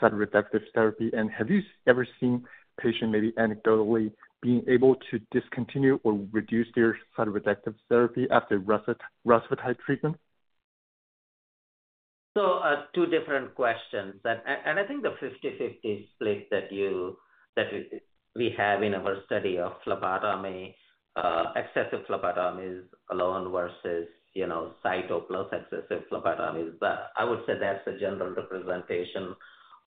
cytoreductive therapy? Have you ever seen a patient, maybe anecdotally, being able to discontinue or reduce their cytoreductive therapy after rusfertide treatment? Two different questions. I think the 50/50 split that we have in our study of phlebotomy, excessive phlebotomies alone versus site-plus excessive phlebotomies, I would say that's the general representation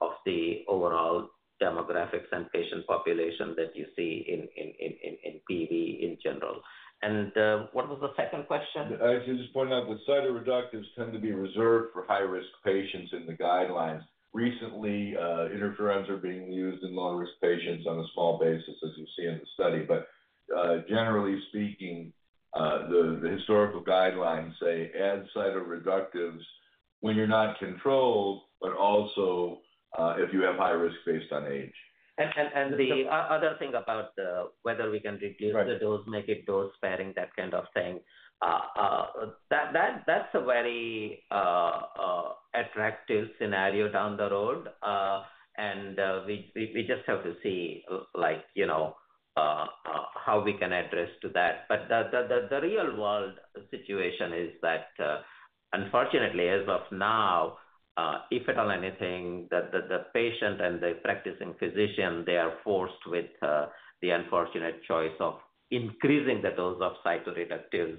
of the overall demographics and patient population that you see in PV in general. What was the second question? I was just pointing out that cytoreductives tend to be reserved for high-risk patients in the guidelines. Recently, interferons are being used in low-risk patients on a small basis, as you see in the study. Generally speaking, the historical guidelines say add cytoreductives when you're not controlled, but also if you have high risk based on age. The other thing about whether we can reduce the dose, make it dose-sparing, that kind of thing, that is a very attractive scenario down the road. We just have to see how we can address that. The real-world situation is that, unfortunately, as of now, if at all anything, the patient and the practicing physician, they are forced with the unfortunate choice of increasing the dose of cytoreductives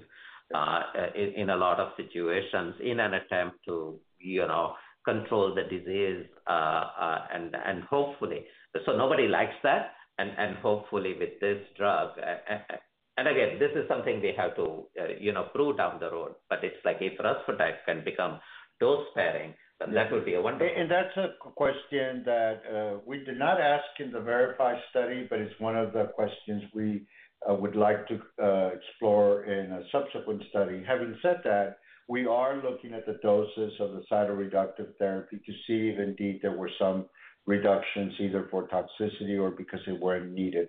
in a lot of situations in an attempt to control the disease and hopefully. Nobody likes that. Hopefully, with this drug, and again, this is something we have to prove down the road. It is like if rusfertide can become dose-sparing, that would be wonderful. That is a question that we did not ask in the VERIFY study, but it is one of the questions we would like to explore in a subsequent study. Having said that, we are looking at the doses of the cytoreductive therapy to see if indeed there were some reductions either for toxicity or because they were not needed.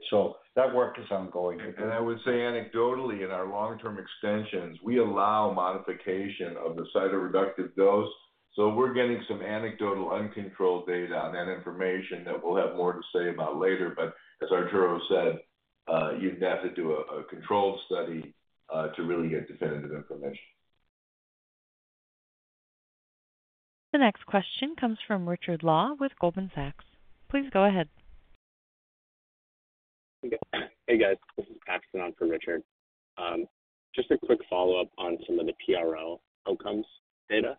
That work is ongoing. I would say anecdotally in our long-term extensions, we allow modification of the cytoreductive dose. We're getting some anecdotal uncontrolled data on that information that we'll have more to say about later. As Aristotle said, you'd have to do a controlled study to really get definitive information. The next question comes from Richard Law with Goldman Sachs. Please go ahead. Hey, guys. This is Paxton on for Richard. Just a quick follow-up on some of the PRO outcomes data.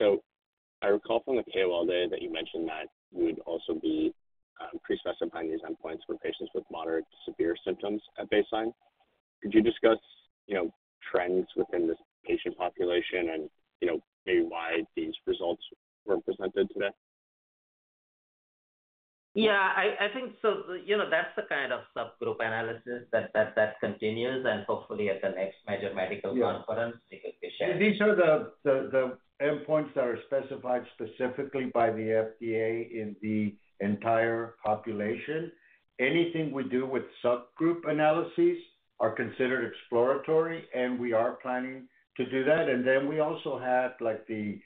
I recall from the KOL Day that you mentioned that you would also be prespecifying these endpoints for patients with moderate to severe symptoms at baseline. Could you discuss trends within this patient population and maybe why these results were presented today? Yeah. That's the kind of subgroup analysis that continues. Hopefully, at the next major medical conference, we could be sharing. These are the endpoints that are specified specifically by the FDA in the entire population. Anything we do with subgroup analyses are considered exploratory, and we are planning to do that. We also have the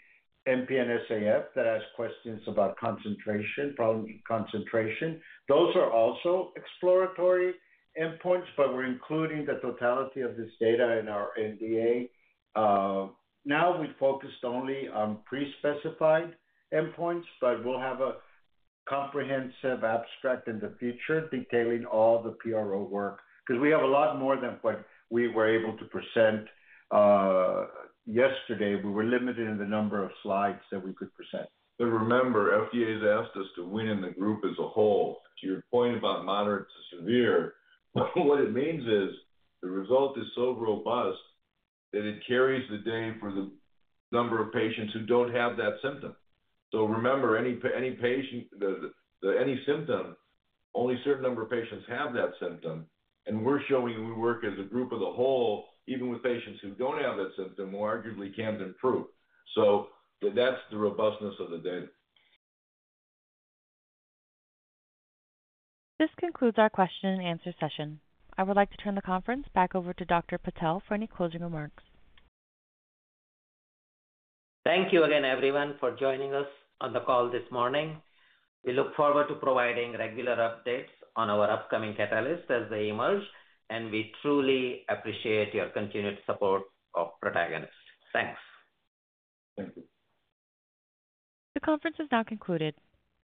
MFSAF that asked questions about concentration, problem concentration. Those are also exploratory endpoints, but we're including the totality of this data in our NDA. Now we focused only on prespecified endpoints, but we'll have a comprehensive abstract in the future detailing all the PRO work because we have a lot more than what we were able to present yesterday. We were limited in the number of slides that we could present. Remember, FDA has asked us to win in the group as a whole. To your point about moderate to severe, what it means is the result is so robust that it carries the day for the number of patients who do not have that symptom. Remember, any symptom, only a certain number of patients have that symptom. We are showing we work as a group of the whole, even with patients who do not have that symptom, who arguably can improve. That is the robustness of the data. This concludes our question-and-answer session. I would like to turn the conference back over to Dr. Patel for any closing remarks. Thank you again, everyone, for joining us on the call this morning. We look forward to providing regular updates on our upcoming catalysts as they emerge. We truly appreciate your continued support of Protagonist. Thanks. Thank you. The conference is now concluded.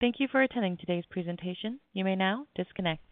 Thank you for attending today's presentation. You may now disconnect.